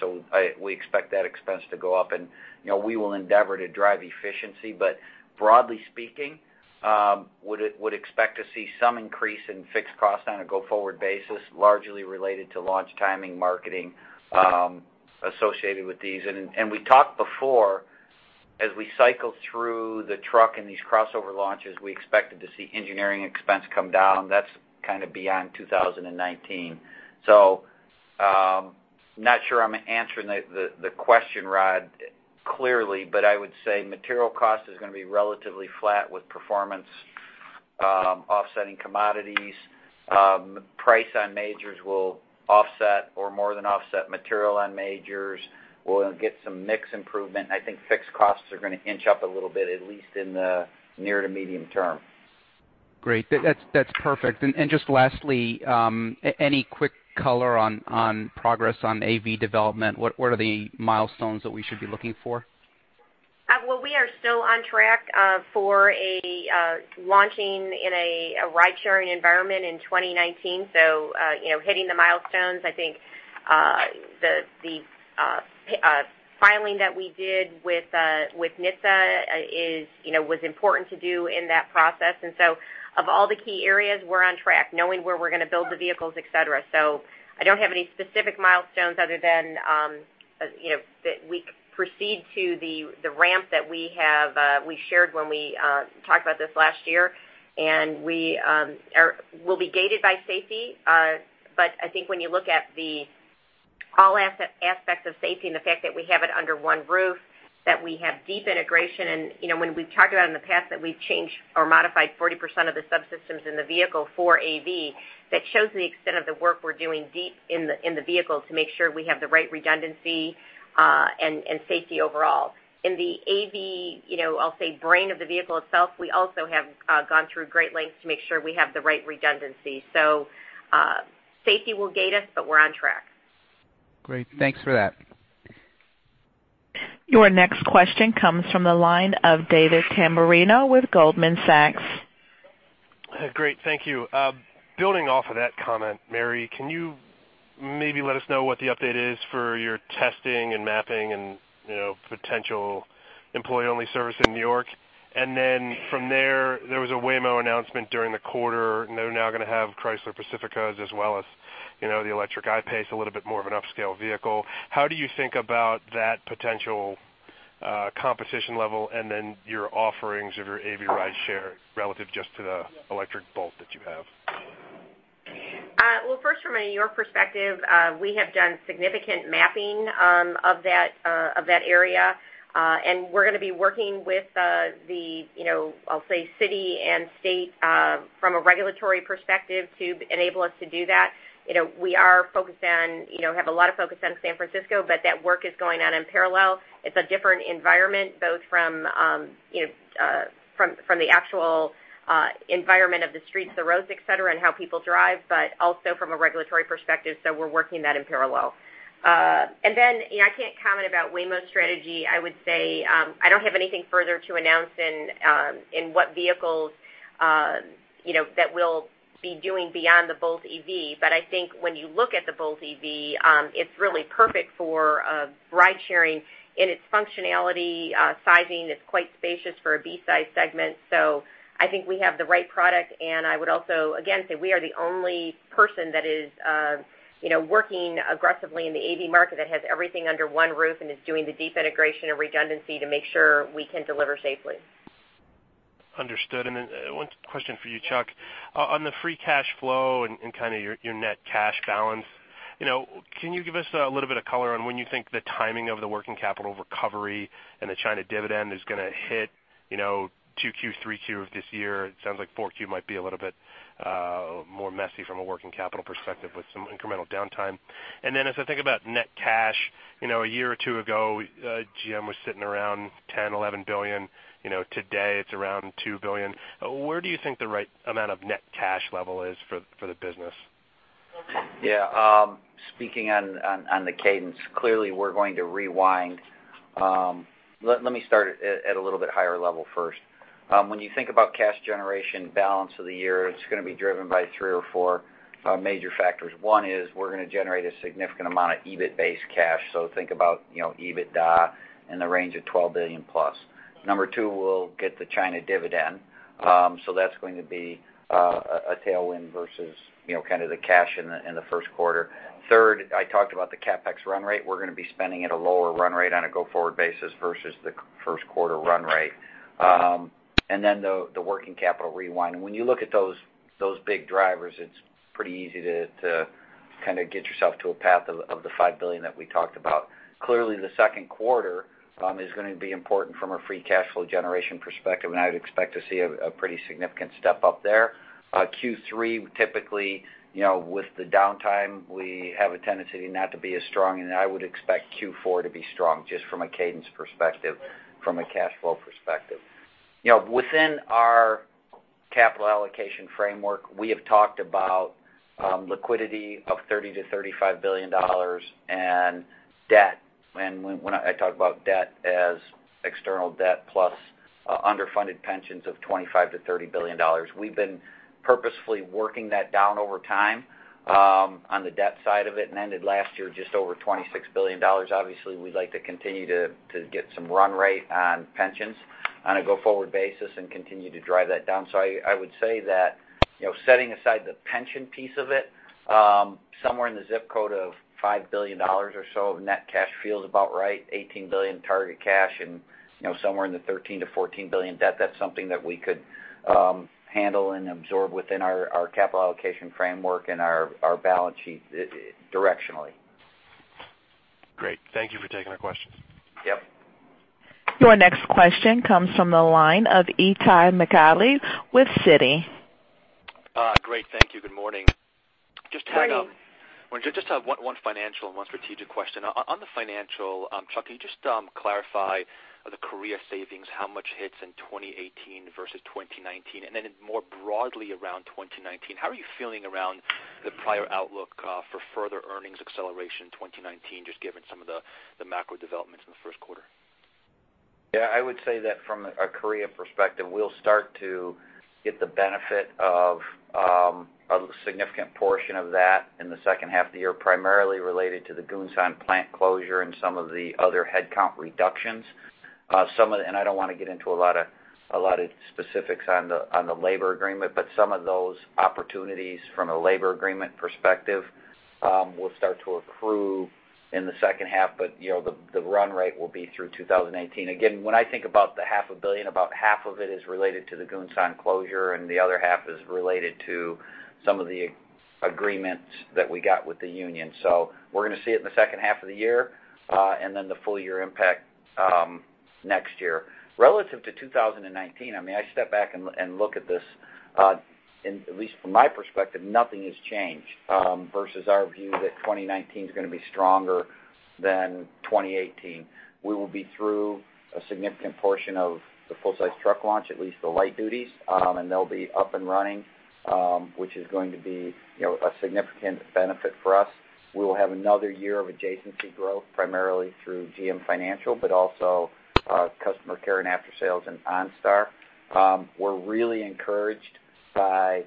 we expect that expense to go up. We will endeavor to drive efficiency, broadly speaking, would expect to see some increase in fixed costs on a go-forward basis, largely related to launch timing, marketing associated with these. We talked before, as we cycle through the truck and these crossover launches, we expected to see engineering expense come down. That's kind of beyond 2019. Not sure I'm answering the question, Rod, clearly, but I would say material cost is going to be relatively flat with performance offsetting commodities. Price on majors will offset or more than offset material on majors. We'll get some mix improvement. I think fixed costs are going to inch up a little bit, at least in the near to medium term. Great. That's perfect. Just lastly, any quick color on progress on AV development? What are the milestones that we should be looking for? Well, we are still on track for launching in a ridesharing environment in 2019. Hitting the milestones. I think the filing that we did with NHTSA was important to do in that process. Of all the key areas, we're on track, knowing where we're going to build the vehicles, et cetera. I don't have any specific milestones other than that we proceed to the ramp that we shared when we talked about this last year. We'll be gated by safety. I think when you look at the all-asset safety and the fact that we have it under one roof, that we have deep integration. When we've talked about in the past that we've changed or modified 40% of the subsystems in the vehicle for AV, that shows the extent of the work we're doing deep in the vehicle to make sure we have the right redundancy and safety overall. In the AV, I'll say, brain of the vehicle itself, we also have gone through great lengths to make sure we have the right redundancy. Safety will gate us, but we're on track. Great. Thanks for that. Your next question comes from the line of David Tamberrino with Goldman Sachs. Great. Thank you. Building off of that comment, Mary, can you maybe let us know what the update is for your testing and mapping and potential employee-only service in N.Y.? From there was a Waymo announcement during the quarter, and they're now going to have Chrysler Pacificas as well as the electric I-PACE, a little bit more of an upscale vehicle. How do you think about that potential competition level and then your offerings of your AV Rideshare relative just to the electric Bolt that you have? first, from a N.Y. perspective, we have done significant mapping of that area. We're going to be working with the, I'll say, city and state from a regulatory perspective to enable us to do that. We have a lot of focus on San Francisco, but that work is going on in parallel. It's a different environment, both from the actual environment of the streets, the roads, et cetera, and how people drive, but also from a regulatory perspective. We're working that in parallel. I can't comment about Waymo's strategy. I would say, I don't have anything further to announce in what vehicles that we'll be doing beyond the Bolt EV. I think when you look at the Bolt EV, it's really perfect for ridesharing in its functionality, sizing. It's quite spacious for a B-size segment. I think we have the right product, and I would also, again, say we are the only person that is working aggressively in the AV market that has everything under one roof and is doing the deep integration and redundancy to make sure we can deliver safely. Understood. one question for you, Chuck. On the free cash flow and your net cash balance, can you give us a little bit of color on when you think the timing of the working capital recovery and the China dividend is going to hit, 2Q, 3Q of this year? It sounds like 4Q might be a little bit more messy from a working capital perspective with some incremental downtime. as I think about net cash, a year or two ago, GM was sitting around $10 billion, $11 billion. Today, it's around $2 billion. Where do you think the right amount of net cash level is for the business? Yeah. Speaking on the cadence, clearly we're going to rewind. Let me start at a little bit higher level first. When you think about cash generation balance of the year, it's going to be driven by three or four major factors. One is we're going to generate a significant amount of EBIT-based cash. think about, EBITDA in the range of $12 billion plus. Number two, we'll get the China dividend. that's going to be a tailwind versus the cash in the first quarter. Third, I talked about the CapEx run rate. We're going to be spending at a lower run rate on a go-forward basis versus the first quarter run rate. the working capital rewind. When you look at those big drivers, it's pretty easy to get yourself to a path of the $5 billion that we talked about. Clearly, the second quarter is going to be important from a free cash flow generation perspective, and I would expect to see a pretty significant step-up there. Q3, typically, with the downtime, we have a tendency not to be as strong, and I would expect Q4 to be strong just from a cadence perspective, from a cash flow perspective. Within our capital allocation framework, we have talked about liquidity of $30 billion-$35 billion and debt. When I talk about debt as external debt plus underfunded pensions of $25 billion-$30 billion. We've been purposefully working that down over time on the debt side of it, and ended last year just over $26 billion. Obviously, we'd like to continue to get some run rate on pensions on a go-forward basis and continue to drive that down. I would say that setting aside the pension piece of it, somewhere in the zip code of $5 billion or so of net cash feels about right, $18 billion target cash and somewhere in the $13 billion-$14 billion debt. That's something that we could handle and absorb within our capital allocation framework and our balance sheet directionally. Great. Thank you for taking our questions. Yep. Your next question comes from the line of Itay Michaeli with Citi. Great. Thank you. Good morning. Good morning. Just have one financial and one strategic question. On the financial, Chuck, can you just clarify the Korea savings, how much hits in 2018 versus 2019? Then more broadly around 2019, how are you feeling around the prior outlook for further earnings acceleration 2019, just given some of the macro developments in the first quarter? Yeah. I would say that from a Korea perspective, we'll start to get the benefit of a significant portion of that in the second half of the year, primarily related to the Gunsan plant closure and some of the other headcount reductions. I don't want to get into a lot of specifics on the labor agreement, but some of those opportunities from a labor agreement perspective will start to accrue in the second half. The run rate will be through 2018. Again, when I think about the half a billion, about half of it is related to the Gunsan closure, and the other half is related to some of the agreements that we got with the union. We're going to see it in the second half of the year, and then the full-year impact next year. Relative to 2019, I step back and look at this, at least from my perspective, nothing has changed versus our view that 2019 is going to be stronger than 2018. We will be through a significant portion of the full-size truck launch, at least the light duties, and they'll be up and running, which is going to be a significant benefit for us. We will have another year of adjacency growth, primarily through GM Financial, but also customer care and after sales and OnStar. We're really encouraged by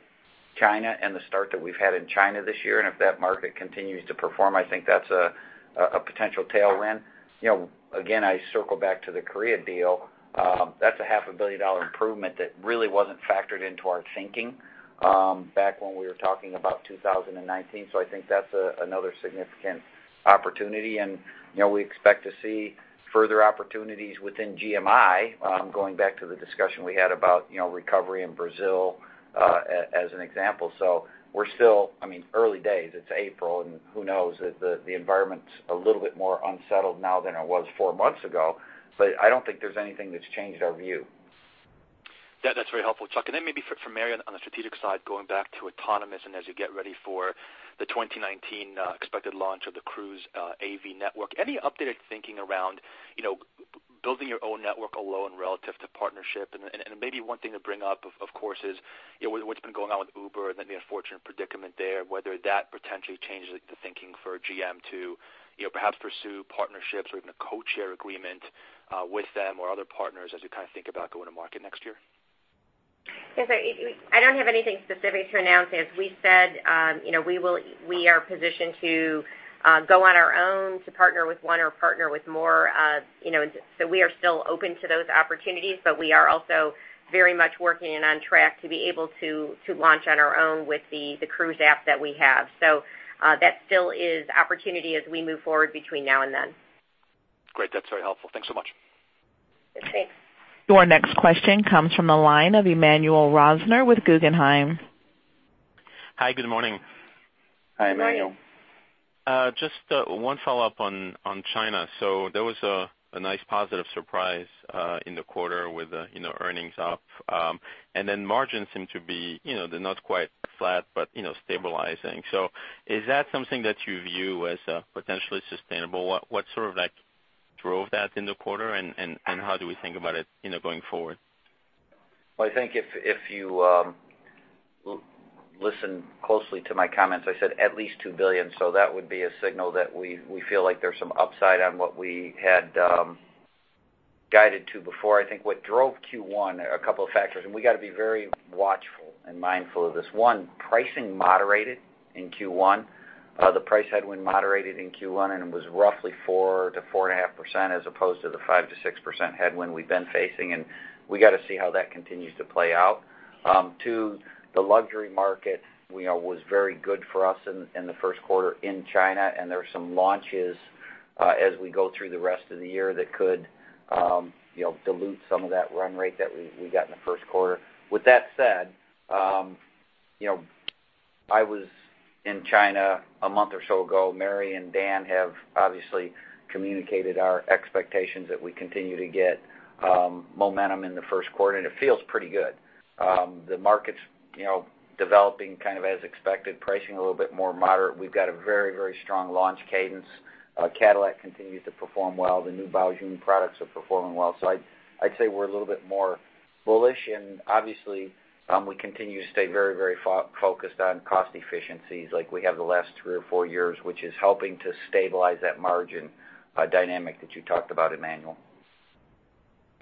China and the start that we've had in China this year, if that market continues to perform, I think that's a potential tailwind. I circle back to the Korea deal. That's a half a billion-dollar improvement that really wasn't factored into our thinking back when we were talking about 2019. I think that's another significant opportunity, we expect to see further opportunities within GMI, going back to the discussion we had about recovery in Brazil as an example. We're still early days. It's April, who knows? The environment's a little bit more unsettled now than it was four months ago, I don't think there's anything that's changed our view. Yeah, that's very helpful, Chuck. Then maybe for Mary on the strategic side, going back to autonomous, as you get ready for the 2019 expected launch of the Cruise AV network, any updated thinking around building your own network alone relative to partnership? Maybe one thing to bring up, of course, is what's been going on with Uber the unfortunate predicament there, whether that potentially changes the thinking for GM to perhaps pursue partnerships or even a co-chair agreement with them or other partners as you think about going to market next year. Yes, sir. I don't have anything specific to announce. As we said, we are positioned to go on our own, to partner with one or partner with more. We are still open to those opportunities, we are also very much working and on track to be able to launch on our own with the Cruise app that we have. That still is opportunity as we move forward between now and then. Great. That's very helpful. Thanks so much. Thanks. Your next question comes from the line of Emmanuel Rosner with Guggenheim. Hi, good morning. Hi, Emmanuel. Good morning. Just one follow-up on China. There was a nice positive surprise in the quarter with the earnings up. Margins seem to be, they're not quite flat, but stabilizing. Is that something that you view as potentially sustainable? What drove that in the quarter, and how do we think about it going forward? Well, I think if you listen closely to my comments, I said at least $2 billion. That would be a signal that we feel like there's some upside on what we had guided to before. I think what drove Q1, a couple of factors, and we got to be very watchful and mindful of this. One, pricing moderated in Q1. The price had been moderated in Q1, and it was roughly 4%-4.5%, as opposed to the 5%-6% headwind we've been facing. We got to see how that continues to play out. Two, the luxury market was very good for us in the first quarter in China. There are some launches as we go through the rest of the year that could dilute some of that run rate that we got in the first quarter. With that said, I was in China a month or so ago. Mary and Dan have obviously communicated our expectations that we continue to get momentum in the first quarter. It feels pretty good. The market's developing as expected, pricing a little bit more moderate. We've got a very strong launch cadence. Cadillac continues to perform well. The new Baojun products are performing well. I'd say we're a little bit more bullish. Obviously we continue to stay very focused on cost efficiencies like we have the last three or four years, which is helping to stabilize that margin dynamic that you talked about, Emmanuel.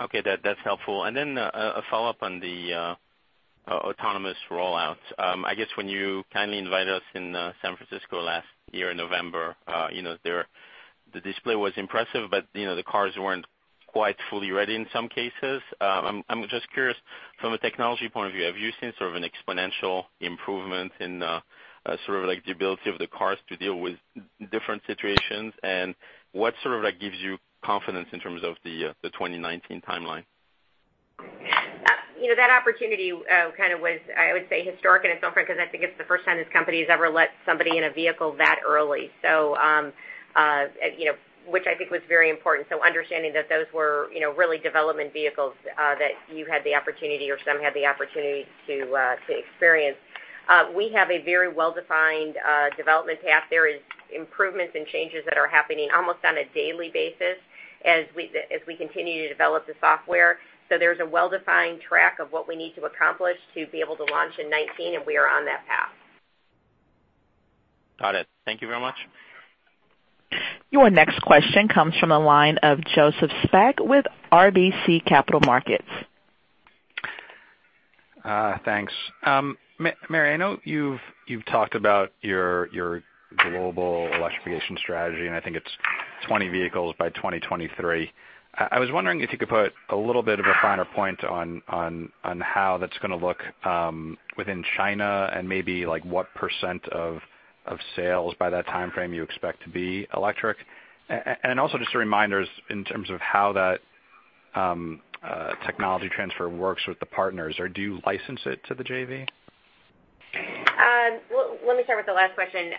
Okay. That's helpful. A follow-up on the autonomous rollout. I guess when you kindly invited us in San Francisco last year in November, the display was impressive, but the cars weren't quite fully ready in some cases. I'm just curious from a technology point of view, have you seen an exponential improvement in the ability of the cars to deal with different situations? What gives you confidence in terms of the 2019 timeline? That opportunity was, I would say, historic in its own right because I think it's the first time this company has ever let somebody in a vehicle that early, which I think was very important. Understanding that those were really development vehicles that you had the opportunity, or some had the opportunity to experience. We have a very well-defined development path. There is improvements and changes that are happening almost on a daily basis as we continue to develop the software. There's a well-defined track of what we need to accomplish to be able to launch in 2019, we are on that path. Got it. Thank you very much. Your next question comes from the line of Joseph Spak with RBC Capital Markets. Thanks. Mary, I know you've talked about your global electrification strategy, I think it's 20 vehicles by 2023. I was wondering if you could put a little bit of a finer point on how that's going to look within China and maybe what % of sales by that timeframe you expect to be electric. Also just a reminder in terms of how that technology transfer works with the partners, or do you license it to the JV? Let me start with the last question.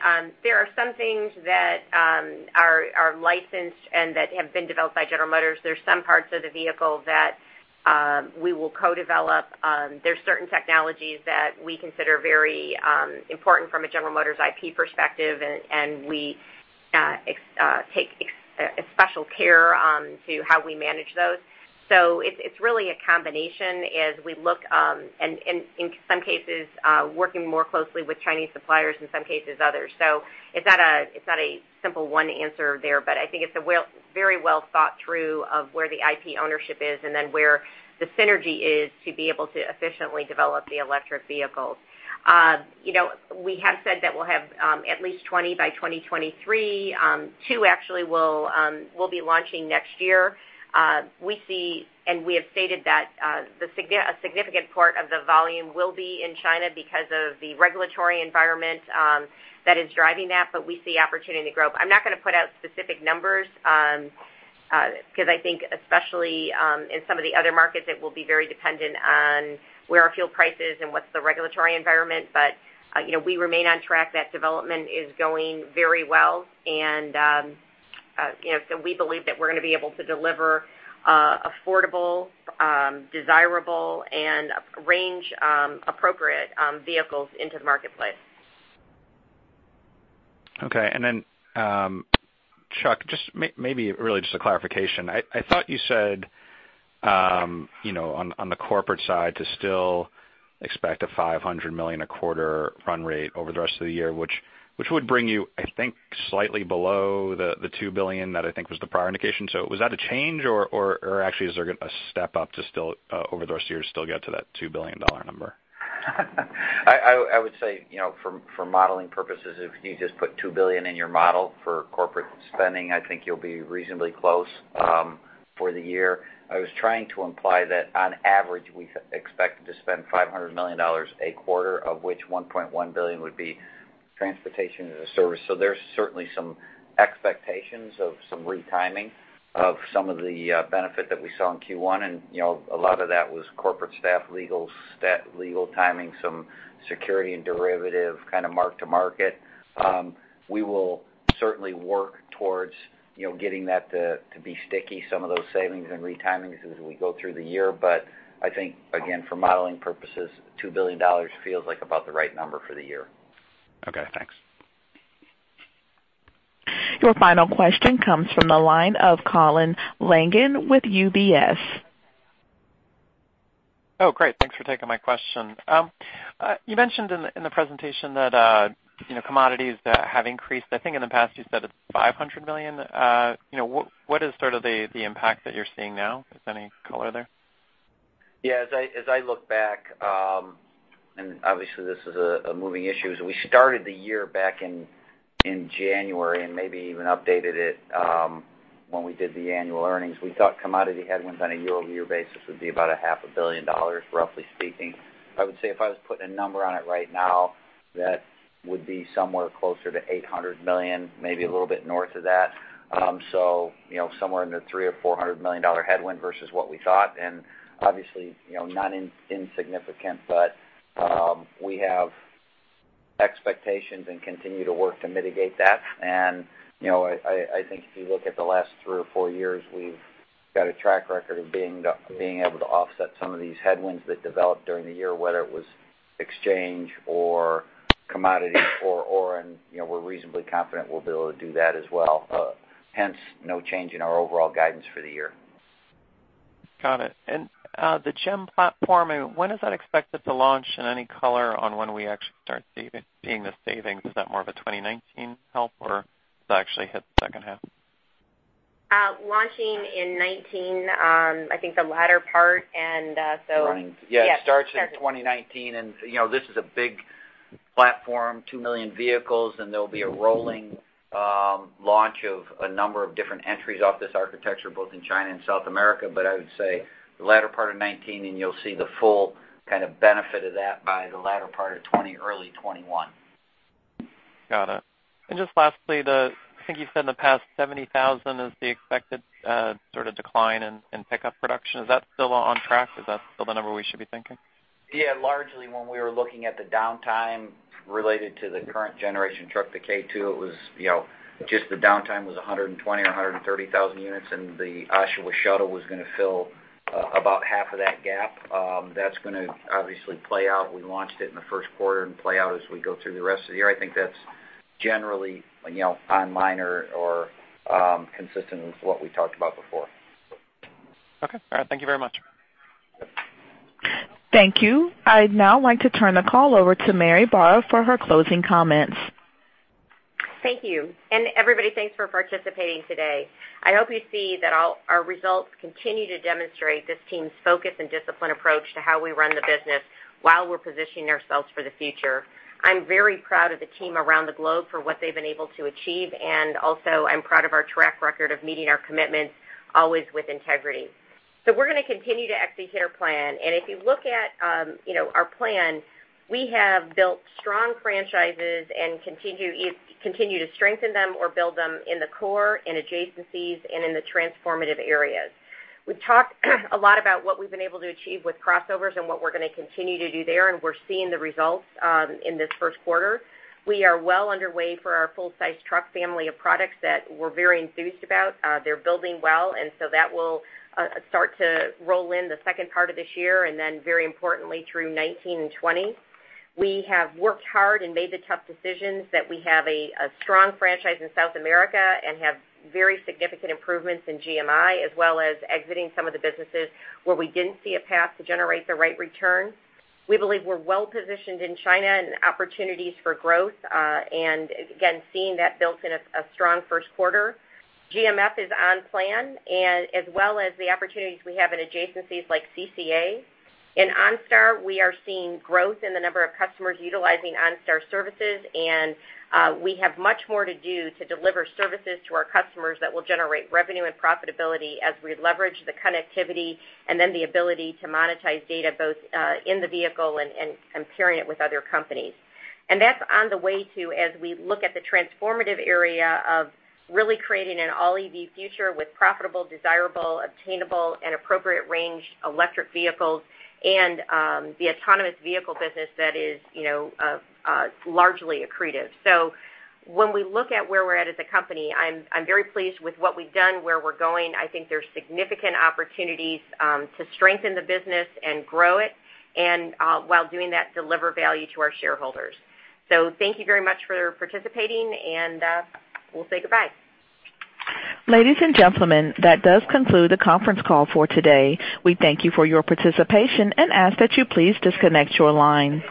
There are some things that are licensed and that have been developed by General Motors Company. There's some parts of the vehicle that we will co-develop. There's certain technologies that we consider very important from a General Motors Company IP perspective, and we take special care to how we manage those. It's really a combination as we look, in some cases, working more closely with Chinese suppliers, in some cases, others. It's not a simple one answer there, but I think it's a very well thought through of where the IP ownership is and then where the synergy is to be able to efficiently develop the electric vehicles. We have said that we'll have at least 20 by 2023. Two actually will be launching next year. We see, we have stated that a significant part of the volume will be in China because of the regulatory environment that is driving that, but we see opportunity to grow. I'm not going to put out specific numbers, because I think especially in some of the other markets, it will be very dependent on where are fuel prices and what's the regulatory environment. We remain on track. That development is going very well. We believe that we're going to be able to deliver affordable, desirable, and range-appropriate vehicles into the marketplace. Okay. Chuck, just maybe really just a clarification. I thought you said on the corporate side to still expect a $500 million a quarter run rate over the rest of the year, which would bring you, I think, slightly below the $2 billion that I think was the prior indication. Was that a change, or actually is there a step up to still over the rest of the year to still get to that $2 billion number? I would say, for modeling purposes, if you just put $2 billion in your model for corporate spending, I think you'll be reasonably close for the year. I was trying to imply that on average, we expect to spend $500 million a quarter, of which $1.1 billion would be transportation as a service. There's certainly some expectations of some retiming of some of the benefit that we saw in Q1. A lot of that was corporate staff, legal timing, some security and derivative kind of mark to market. We will certainly work towards getting that to be sticky, some of those savings and retimings as we go through the year. I think, again, for modeling purposes, $2 billion feels like about the right number for the year. Okay, thanks. Your final question comes from the line of Colin Langan with UBS. Great. Thanks for taking my question. You mentioned in the presentation that commodities have increased. I think in the past you said it's $500 million. What is sort of the impact that you're seeing now? Is there any color there? Yeah. As I look back, obviously this is a moving issue. We started the year back in January and maybe even updated it when we did the annual earnings. We thought commodity headwinds on a year-over-year basis would be about a half a billion dollars, roughly speaking. I would say if I was putting a number on it right now, that would be somewhere closer to $800 million, maybe a little bit north of that. Somewhere in the $300 million or $400 million headwind versus what we thought. Obviously, not insignificant, but we have expectations and continue to work to mitigate that. I think if you look at the last three or four years, we've got a track record of being able to offset some of these headwinds that developed during the year, whether it was exchange or commodity or ore. We're reasonably confident we'll be able to do that as well. Hence, no change in our overall guidance for the year. Got it. The GEM platform, when is that expected to launch, and any color on when we actually start seeing the savings? Is that more of a 2019 help, or does that actually hit the second half? Launching in 2019, I think the latter part. Right. Yes. It starts in 2019, and this is a big platform, 2 million vehicles, and there'll be a rolling launch of a number of different entries off this architecture, both in China and South America. I would say the latter part of 2019, and you'll see the full kind of benefit of that by the latter part of 2020, early 2021. Got it. Just lastly, I think you said in the past 70,000 is the expected sort of decline in pickup production. Is that still on track? Is that still the number we should be thinking? Yeah. Largely when we were looking at the downtime related to the current generation truck, the K2, just the downtime was 120,000 or 130,000 units, and the Oshawa shuttle was going to fill about half of that gap. That's going to obviously play out. We launched it in the first quarter and play out as we go through the rest of the year. I think that's generally on par or consistent with what we talked about before. Okay. All right. Thank you very much. Thank you. I'd now like to turn the call over to Mary Barra for her closing comments. Thank you. Everybody, thanks for participating today. I hope you see that our results continue to demonstrate this team's focus and disciplined approach to how we run the business while we're positioning ourselves for the future. I'm very proud of the team around the globe for what they've been able to achieve, and also I'm proud of our track record of meeting our commitments always with integrity. We're going to continue to execute our plan. If you look at our plan, we have built strong franchises and continue to strengthen them or build them in the core, in adjacencies, and in the transformative areas. We've talked a lot about what we've been able to achieve with crossovers and what we're going to continue to do there, and we're seeing the results in this first quarter. We are well underway for our full-size truck family of products that we're very enthused about. They're building well, That will start to roll in the second part of this year, and then very importantly, through 2019 and 2020. We have worked hard and made the tough decisions that we have a strong franchise in South America and have very significant improvements in GMI, as well as exiting some of the businesses where we didn't see a path to generate the right return. We believe we're well-positioned in China and opportunities for growth. Again, seeing that built in a strong first quarter. GMF is on plan, as well as the opportunities we have in adjacencies like CCA. In OnStar, we are seeing growth in the number of customers utilizing OnStar services. We have much more to do to deliver services to our customers that will generate revenue and profitability as we leverage the connectivity The ability to monetize data both in the vehicle and pairing it with other companies. That's on the way, too, as we look at the transformative area of really creating an all-EV future with profitable, desirable, obtainable, and appropriate range electric vehicles and the autonomous vehicle business that is largely accretive. When we look at where we're at as a company, I'm very pleased with what we've done, where we're going. I think there's significant opportunities to strengthen the business and grow it, and while doing that, deliver value to our shareholders. Thank you very much for participating, and we'll say goodbye. Ladies and gentlemen, that does conclude the conference call for today. We thank you for your participation and ask that you please disconnect your line.